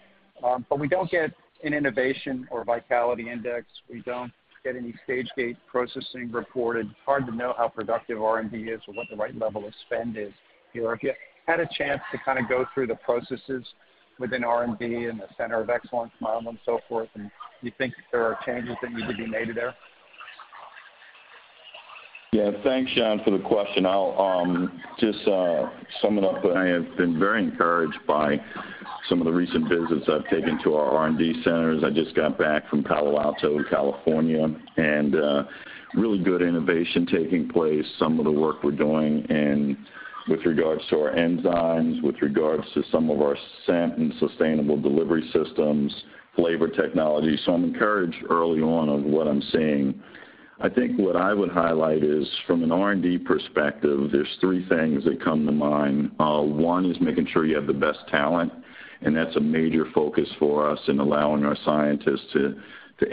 We don't get an innovation or vitality index. We don't get any stage gate processing reported. Hard to know how productive R&D is or what the right level of spend is here. Have you had a chance to kind of go through the processes within R&D and the center of excellence model and so forth, and you think that there are changes that need to be made there? Yeah. Thanks, John, for the question. I'll just sum it up that I have been very encouraged by some of the recent visits I've taken to our R&D centers. I just got back from Palo Alto, California, and really good innovation taking place, some of the work we're doing in with regards to our enzymes, with regards to some of our Scent and sustainable delivery systems, flavor technology. So I'm encouraged early on of what I'm seeing. I think what I would highlight is from an R&D perspective, there are three things that come to mind. One is making sure you have the best talent, and that's a major focus for us in allowing our scientists to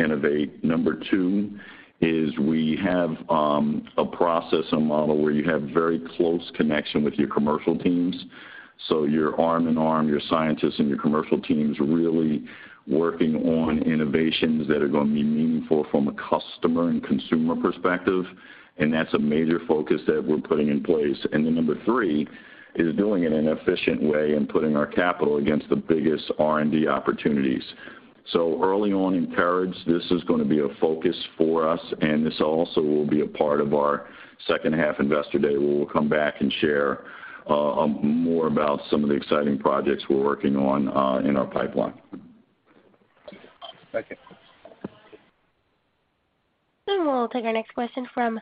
innovate. Number two is we have a process, a model where you have very close connection with your commercial teams. You're arm in arm, your scientists and your commercial teams really working on innovations that are gonna be meaningful from a customer and consumer perspective, and that's a major focus that we're putting in place. And number three is doing it in an efficient way and putting our capital against the biggest R&D opportunities. Early on, encouraged, this is gonna be a focus for us, and this also will be a part of our second half investor day, where we'll come back and share more about some of the exciting projects we're working on in our pipeline. Thank you. We'll take our next question from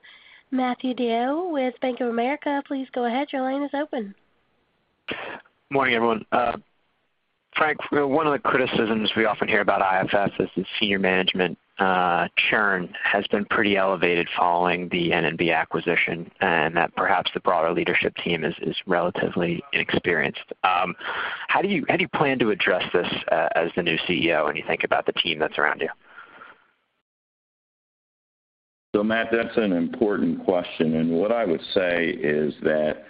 Matthew DeYoe with Bank of America. Please go ahead. Your line is open. Morning, everyone. Frank, one of the criticisms we often hear about IFF is the senior management churn has been pretty elevated following the N&B acquisition, and that perhaps the broader leadership team is relatively inexperienced. How do you plan to address this as the new CEO when you think about the team that's around you? Matt, that's an important question. What I would say is that,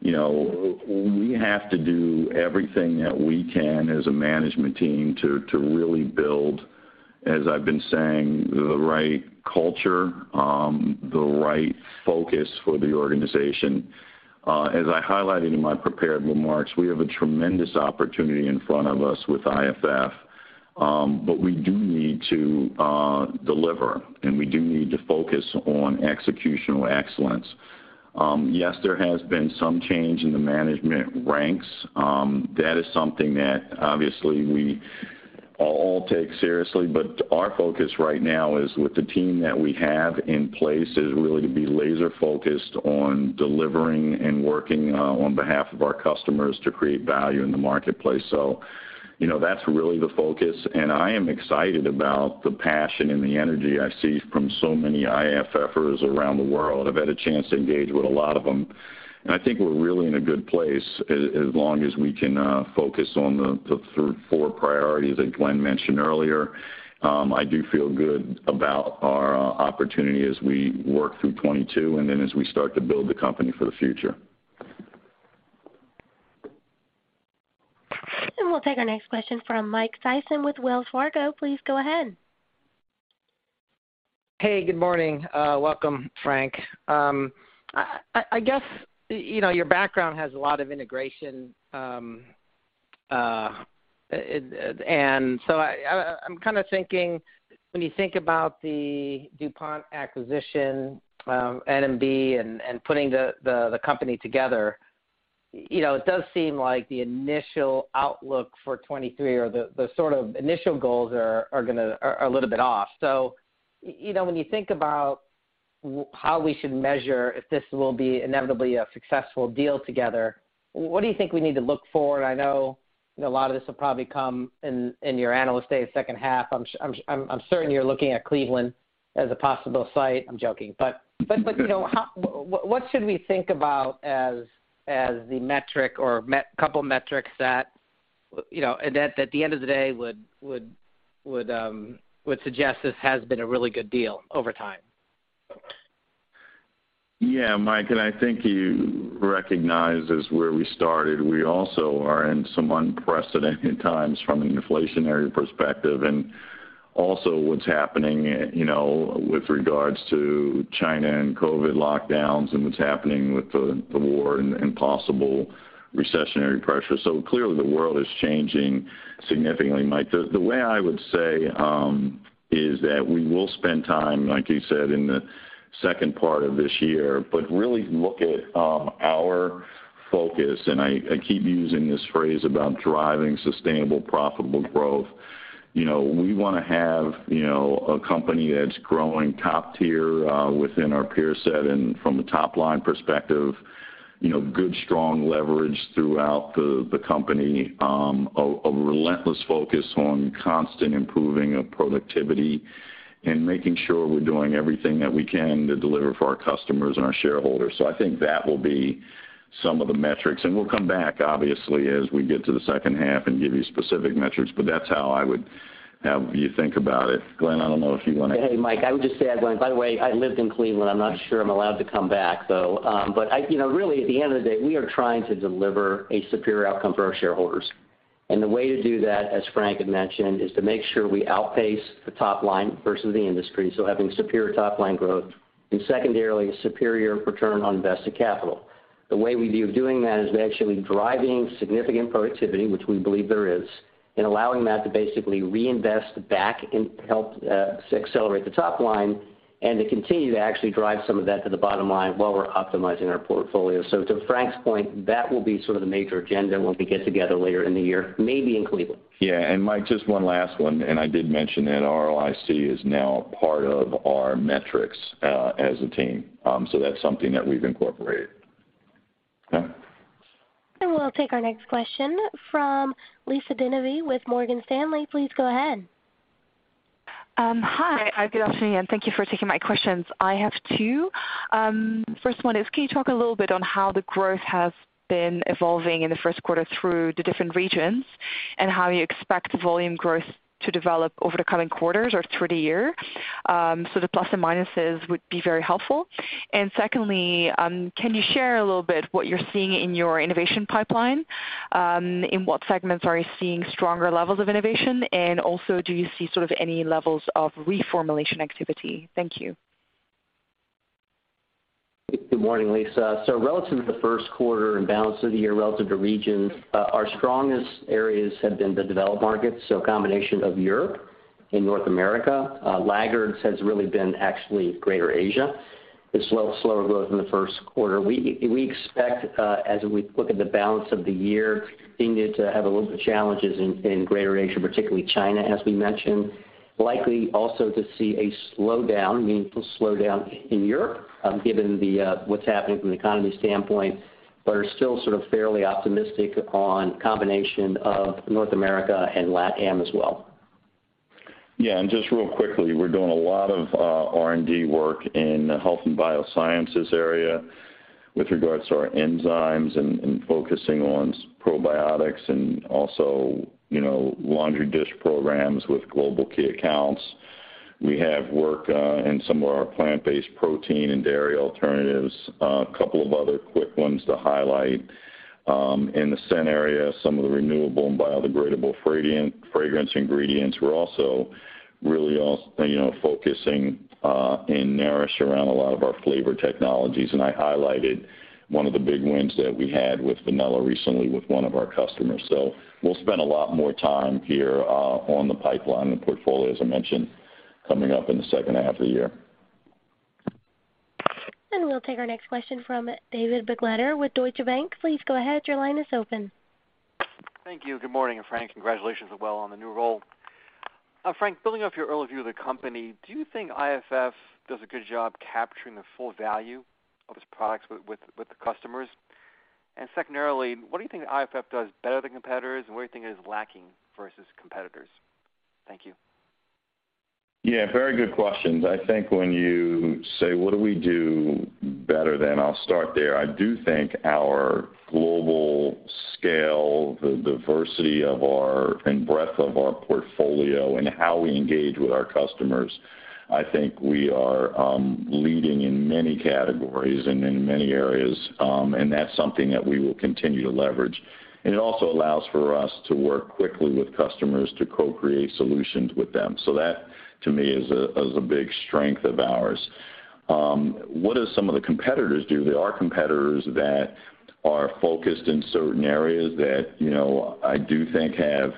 you know, we have to do everything that we can as a management team to really build, as I've been saying, the right culture, the right focus for the organization. As I highlighted in my prepared remarks, we have a tremendous opportunity in front of us with IFF, but we do need to deliver, and we do need to focus on executional excellence. Yes, there has been some change in the management ranks. That is something that obviously we all take seriously, but our focus right now is with the team that we have in place is really to be laser focused on delivering and working on behalf of our customers to create value in the marketplace. You know, that's really the focus. I am excited about the passion and the energy I see from so many IFFers around the world. I've had a chance to engage with a lot of them. I think we're really in a good place as long as we can focus on the four priorities that Glenn mentioned earlier. I do feel good about our opportunity as we work through 2022 and then as we start to build the company for the future. We'll take our next question from Mike Sison with Wells Fargo. Please go ahead. Hey, good morning. Welcome, Frank. I guess, you know, your background has a lot of integration, and I'm kinda thinking when you think about the DuPont acquisition, N&B and putting the company together, you know, it does seem like the initial outlook for 2023 or the sort of initial goals are gonna be a little bit off. You know, when you think about how we should measure if this will be inevitably a successful deal together, what do you think we need to look for? I know a lot of this will probably come in your analyst day second half. I'm certain you're looking at Cleveland as a possible site. I'm joking. You know, what should we think about as the metric or couple metrics that, you know, and that at the end of the day would suggest this has been a really good deal over time? Yeah, Mike, I think you recognize this is where we started. We also are in some unprecedented times from an inflationary perspective. Also what's happening, you know, with regards to China and COVID lockdowns and what's happening with the war and possible recessionary pressure. Clearly, the world is changing significantly, Mike. The way I would say is that we will spend time, like you said, in the second part of this year, but really look at our focus, and I keep using this phrase about driving sustainable, profitable growth. You know, we wanna have, you know, a company that's growing top tier within our peer set and from a top line perspective. You know, good, strong leverage throughout the company. A relentless focus on constant improving of productivity and making sure we're doing everything that we can to deliver for our customers and our shareholders. I think that will be some of the metrics, and we'll come back obviously as we get to the second half and give you specific metrics, but that's how I would have you think about it. Glenn, I don't know if you wanna- Hey, Mike, I would just add one. By the way, I lived in Cleveland. I'm not sure I'm allowed to come back, though. I, you know, really at the end of the day, we are trying to deliver a superior outcome for our shareholders. The way to do that, as Frank had mentioned, is to make sure we outpace the top line versus the industry, so having superior top-line growth and secondarily, superior return on invested capital. The way we view doing that is actually driving significant productivity, which we believe there is, and allowing that to basically reinvest back and help accelerate the top line and to continue to actually drive some of that to the bottom line while we're optimizing our portfolio. To Frank's point, that will be sort of the major agenda when we get together later in the year, maybe in Cleveland. Yeah. Mike, just one last one, and I did mention that ROIC is now part of our metrics as a team. That's something that we've incorporated. Okay. We'll take our next question from Lisa De Neve with Morgan Stanley. Please go ahead. Hi. Good afternoon, and thank you for taking my questions. I have two. First one is, can you talk a little bit on how the growth has been evolving in the first quarter through the different regions, and how you expect volume growth to develop over the coming quarters or through the year? The plus and minuses would be very helpful. And secondly, can you share a little bit what you're seeing in your innovation pipeline? In what segments are you seeing stronger levels of innovation? And also, do you see sort of any levels of reformulation activity? Thank you. Good morning, Lisa. Relative to the first quarter and balance of the year relative to regions, our strongest areas have been the developed markets, so a combination of Europe and North America. Laggards has really been actually Greater Asia. It's slower growth in the first quarter. We expect as we look at the balance of the year continue to have a little bit of challenges in Greater Asia, particularly China, as we mentioned. Likely also to see a slowdown, meaningful slowdown in Europe, given what's happening from the economy standpoint. Are still sort of fairly optimistic on combination of North America and LatAm as well. Just real quickly, we're doing a lot of R&D work in the Health & Biosciences area with regards to our enzymes and focusing on probiotics and also, you know, laundry and dish programs with global key accounts. We have work in some of our plant-based protein and dairy alternatives. A couple of other quick ones to highlight in the Scent area, some of the renewable and biodegradable fragrance ingredients. We're also, you know, focusing in Nourish around a lot of our flavor technologies, and I highlighted one of the big wins that we had with vanilla recently with one of our customers. We'll spend a lot more time here on the pipeline and portfolio, as I mentioned, coming up in the second half of the year. We'll take our next question from David Begleiter with Deutsche Bank. Please go ahead, your line is open. Thank you. Good morning, and Frank, congratulations as well on the new role. Frank, building off your early view of the company, do you think IFF does a good job capturing the full value of its products with the customers? Secondarily, what do you think IFF does better than competitors, and what do you think it is lacking versus competitors? Thank you. Yeah, very good questions. I think when you say, what do we do better, then I'll start there. I do think our global scale, the diversity of our, and breadth of our portfolio and how we engage with our customers, I think we are leading in many categories and in many areas, and that's something that we will continue to leverage. It also allows for us to work quickly with customers to co-create solutions with them. That to me is a big strength of ours. What do some of the competitors do? There are competitors that are focused in certain areas that, you know, I do think have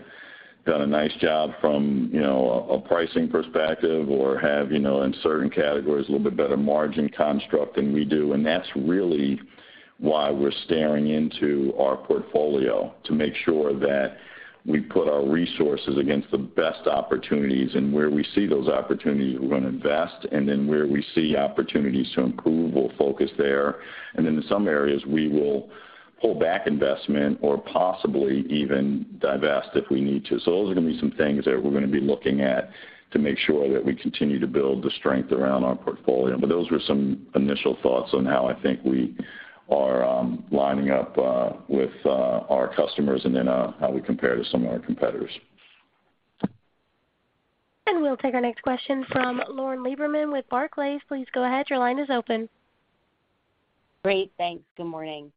done a nice job from, you know, a pricing perspective or have, you know, in certain categories, a little bit better margin construct than we do. That's really why we're staring into our portfolio to make sure that we put our resources against the best opportunities. Where we see those opportunities, we're gonna invest. Where we see opportunities to improve, we'll focus there. In some areas, we will pull back investment or possibly even divest if we need to. Those are gonna be some things that we're gonna be looking at to make sure that we continue to build the strength around our portfolio, but those were some initial thoughts on how I think we are lining up with our customers and then how we compare to some of our competitors. We'll take our next question from Lauren Lieberman with Barclays. Please go ahead, your line is open. Great. Thanks. Good morning.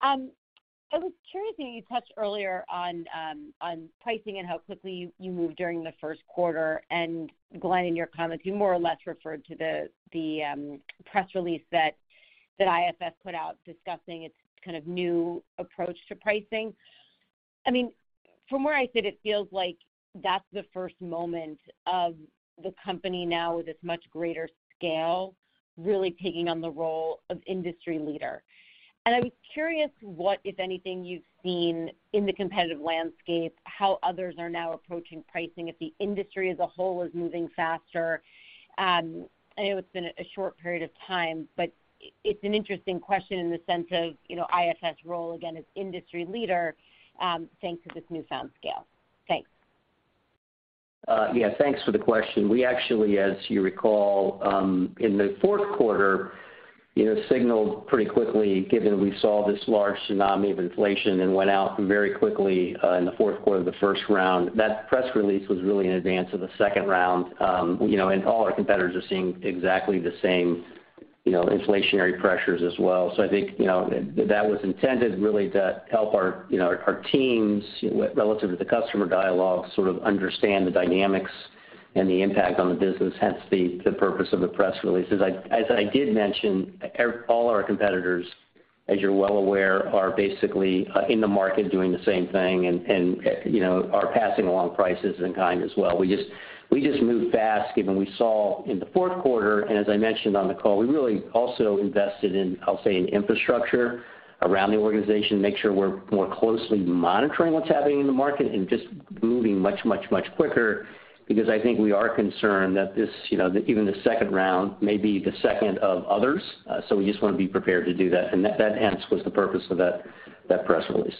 I was curious, I think you touched earlier on pricing and how quickly you moved during the first quarter. Glenn, in your comments, you more or less referred to the press release that IFF put out discussing its kind of new approach to pricing. I mean, from where I sit, it feels like that's the first moment of the company now with its much greater scale, really taking on the role of industry leader. I was curious what, if anything, you've seen in the competitive landscape, how others are now approaching pricing, if the industry as a whole is moving faster? I know it's been a short period of time, but it's an interesting question in the sense of, you know, IFF's role, again, as industry leader, thanks to this newfound scale. Thanks. Yeah, thanks for the question. We actually, as you recall, in the fourth quarter, you know, signaled pretty quickly given we saw this large tsunami of inflation and went out very quickly, in the fourth quarter, the first round. That press release was really in advance of the second round. You know, and all our competitors are seeing exactly the same, you know, inflationary pressures as well. So I think, you know, that was intended really to help our, you know, our teams relative to the customer dialogue, sort of understand the dynamics and the impact on the business, hence the purpose of the press releases. I, as I did mention, all our competitors, as you're well aware, are basically, in the market doing the same thing and, you know, are passing along prices in kind as well. We just moved fast given we saw in the fourth quarter, and as I mentioned on the call, we really also invested in, I'll say, in infrastructure around the organization to make sure we're more closely monitoring what's happening in the market and just moving much quicker because I think we are concerned that this, you know, even the second round may be the second of others. So we just wanna be prepared to do that. That hence was the purpose of that press release.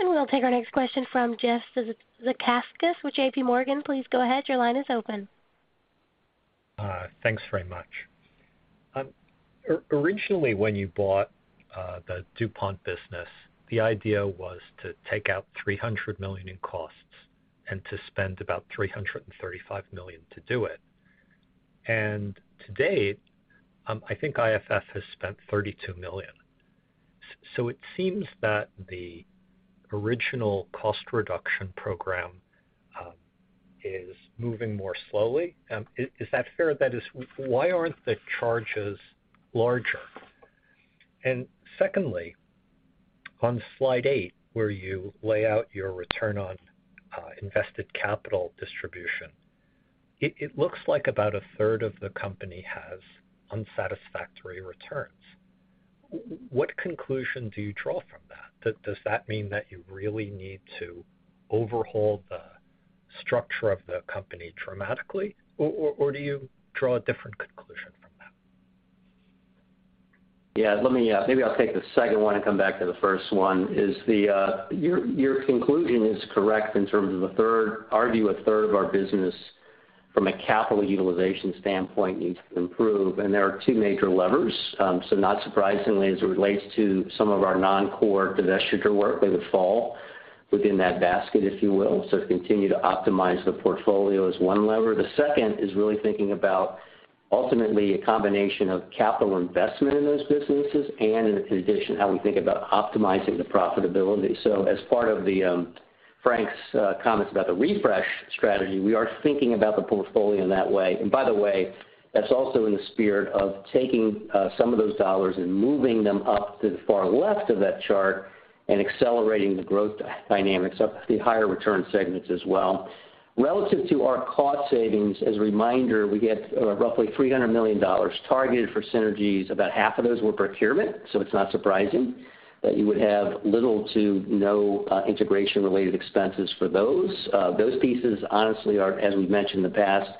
We'll take our next question from Jeff Zekauskas with J.P. Morgan. Please go ahead. Your line is open. Thanks very much. Originally, when you bought the DuPont business, the idea was to take out $300 million in costs and to spend about $335 million to do it. To date, I think IFF has spent $32 million. It seems that the original cost reduction program is moving more slowly. Is that fair? That is, why aren't the charges larger? Secondly, on slide eight, where you lay out your return on invested capital distribution, it looks like about a third of the company has unsatisfactory returns. What conclusion do you draw from that? Does that mean that you really need to overhaul the structure of the company dramatically, or do you draw a different conclusion from that? Yeah. Let me maybe I'll take the second one and come back to the first one. Your conclusion is correct in terms of a third. Arguably, a third of our business from a capital utilization standpoint needs to improve, and there are two major levers. Not surprisingly, as it relates to some of our non-core divestiture work, they would fall within that basket, if you will. To continue to optimize the portfolio is one lever. The second is really thinking about ultimately a combination of capital investment in those businesses and in addition, how we think about optimizing the profitability. As part of Frank's comments about the refresh strategy, we are thinking about the portfolio in that way. By the way, that's also in the spirit of taking some of those dollars and moving them up to the far left of that chart and accelerating the growth dynamics of the higher return segments as well. Relative to our cost savings, as a reminder, we get roughly $300 million targeted for synergies. About half of those were procurement, so it's not surprising that you would have little to no integration related expenses for those. Those pieces, honestly are, as we've mentioned in the past,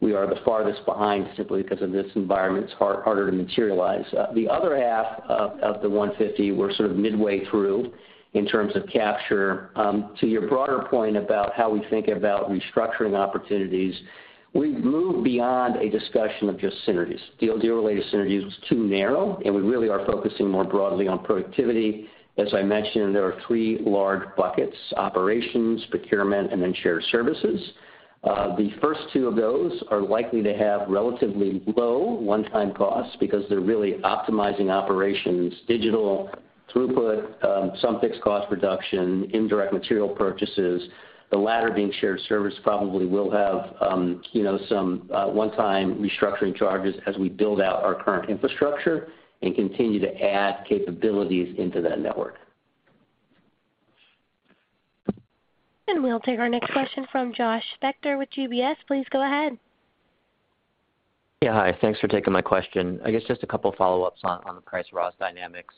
we are the farthest behind simply because of this environment. It's harder to materialize. The other half of the 150, we're sort of midway through in terms of capture. To your broader point about how we think about restructuring opportunities, we've moved beyond a discussion of just synergies. Deal-related synergies was too narrow, and we really are focusing more broadly on productivity. As I mentioned, there are three large buckets, operations, procurement, and then shared services. The first two of those are likely to have relatively low one-time costs because they're really optimizing operations, digital throughput, some fixed cost reduction, indirect material purchases. The latter being shared service probably will have, you know, some one-time restructuring charges as we build out our current infrastructure and continue to add capabilities into that network. We'll take our next question from Josh Spector with UBS. Please go ahead. Yeah. Hi. Thanks for taking my question. I guess just a couple follow-ups on the pricing and raw dynamics.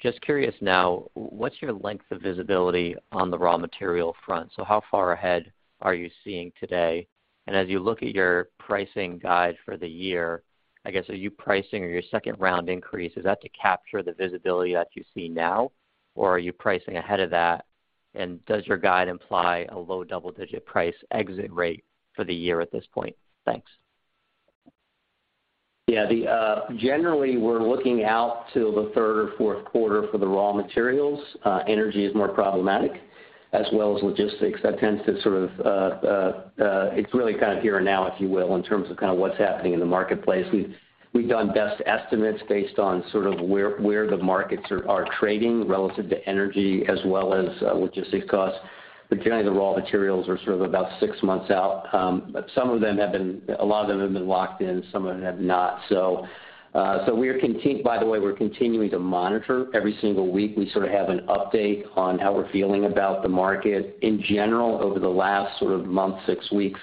Just curious now, what's your length of visibility on the raw material front? How far ahead are you seeing today? As you look at your pricing guide for the year, I guess, are you pricing, or your second round increase, is that to capture the visibility that you see now, or are you pricing ahead of that? Does your guide imply a low double-digit price exit rate for the year at this point? Thanks. Yeah. Generally, we're looking out till the third or fourth quarter for the raw materials. Energy is more problematic as well as logistics. That tends to sort of, it's really kind of here and now, if you will, in terms of kind of what's happening in the marketplace. We've done best estimates based on sort of where the markets are trading relative to energy as well as logistics costs. Generally, the raw materials are sort of about six months out. A lot of them have been locked in, some of them have not. By the way, we're continuing to monitor. Every single week, we sort of have an update on how we're feeling about the market. In general, over the last sort of month, six weeks,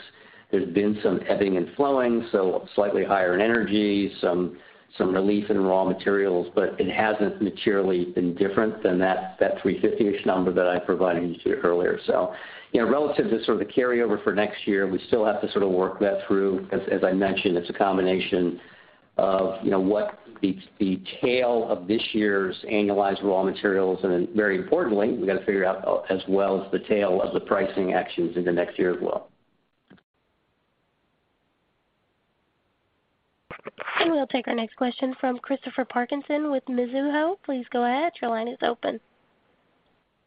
there's been some ebbing and flowing, so slightly higher in energy, some relief in raw materials, but it hasn't materially been different than that $350-ish number that I provided you to earlier. You know, relative to sort of the carryover for next year, we still have to sort of work that through. As I mentioned, it's a combination. You know, what the tail of this year's annualized raw materials, and then very importantly, we gotta figure out, as well as the tail of the pricing actions into next year as well. We'll take our next question from Christopher Parkinson with Mizuho. Please go ahead, your line is open.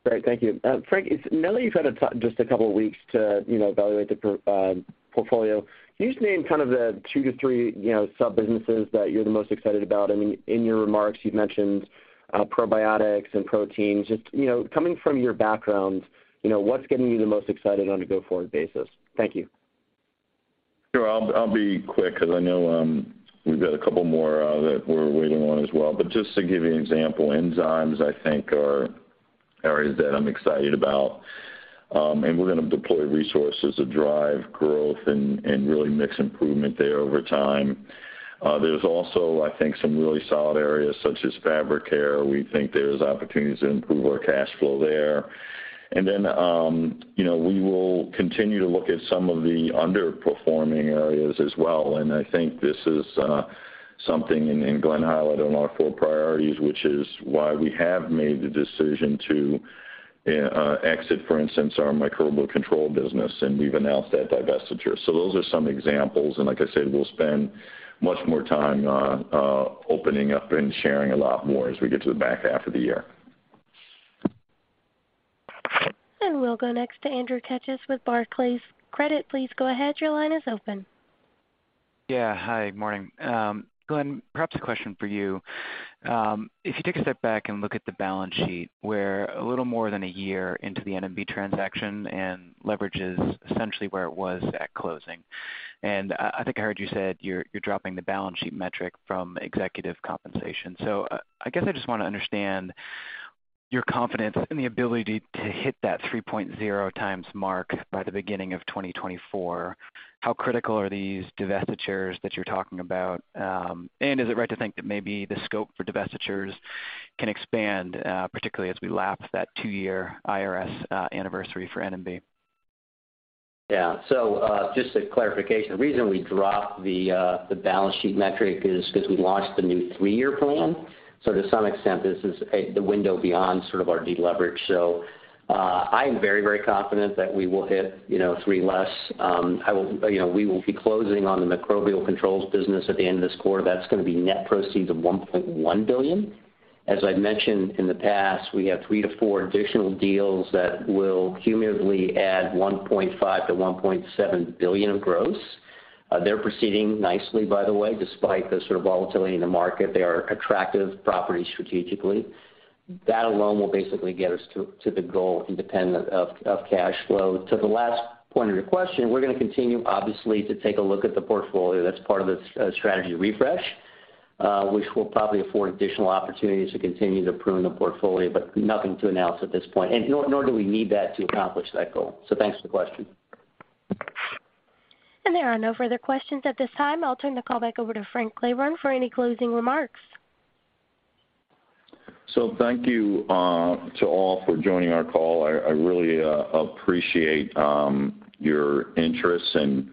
Great, thank you. Now that you've had just a couple weeks to, you know, evaluate the portfolio, can you just name kind of the two to three, you know, sub-businesses that you're the most excited about? I mean, in your remarks you've mentioned probiotics and proteins. Just, you know, coming from your background, you know, what's getting you the most excited on a go-forward basis? Thank you. Sure. I'll be quick 'cause I know we've got a couple more that we're waiting on as well. Just to give you an example, enzymes, I think, are areas that I'm excited about. We're gonna deploy resources to drive growth and really mix improvement there over time. There's also, I think, some really solid areas such as fabric care. We think there's opportunities to improve our cash flow there. Then, you know, we will continue to look at some of the underperforming areas as well, and I think this is something and Glenn highlighted in our core priorities, which is why we have made the decision to exit, for instance, our Microbial Control business, and we've announced that divestiture. Those are some examples, and like I said, we'll spend much more time opening up and sharing a lot more as we get to the back half of the year. We'll go next to Andrew Keches with Barclays Credit. Please go ahead, your line is open. Yeah. Hi. Morning. Glenn, perhaps a question for you. If you take a step back and look at the balance sheet, we're a little more than a year into the N&B transaction, and leverage is essentially where it was at closing. I think I heard you said you're dropping the balance sheet metric from executive compensation. I guess I just wanna understand your confidence in the ability to hit that 3.0x mark by the beginning of 2024. How critical are these divestitures that you're talking about? Is it right to think that maybe the scope for divestitures can expand, particularly as we lap that two-year IFRS anniversary for N&B? Yeah. Just a clarification. The reason we dropped the balance sheet metric is because we launched the new three-year plan. To some extent, this is the window beyond sort of our deleverage. I am very confident that we will hit, you know, 3x. I, you know, we will be closing on the Microbial Control business at the end of this quarter. That's gonna be net proceeds of $1.1 billion. As I've mentioned in the past, we have three to four additional deals that will cumulatively add $1.5 billion-$1.7 billion of gross. They're proceeding nicely by the way. Despite the sort of volatility in the market, they are attractive properties strategically. That alone will basically get us to the goal independent of cash flow. To the last point of your question, we're gonna continue, obviously, to take a look at the portfolio. That's part of the strategy refresh, which will probably afford additional opportunities to continue to prune the portfolio, but nothing to announce at this point. Nor do we need that to accomplish that goal. Thanks for the question. There are no further questions at this time. I'll turn the call back over to Frank Clyburn for any closing remarks. Thank you to all for joining our call. I really appreciate your interest and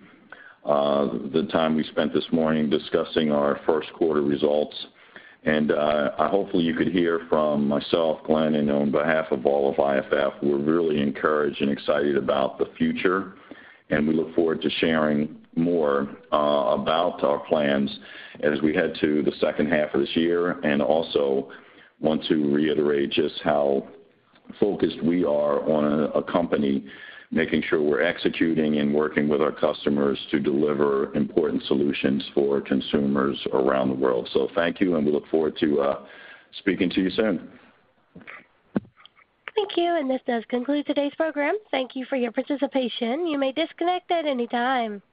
the time we spent this morning discussing our first quarter results. And hopefully you could hear from myself, Glenn, and on behalf of all of IFF, we're really encouraged and excited about the future, and we look forward to sharing more about our plans as we head to the second half of this year. I also want to reiterate just how focused we are on a company, making sure we're executing and working with our customers to deliver important solutions for consumers around the world. Thank you, and we look forward to speaking to you soon. Thank you, and this does conclude today's program. Thank you for your participation. You may disconnect at any time.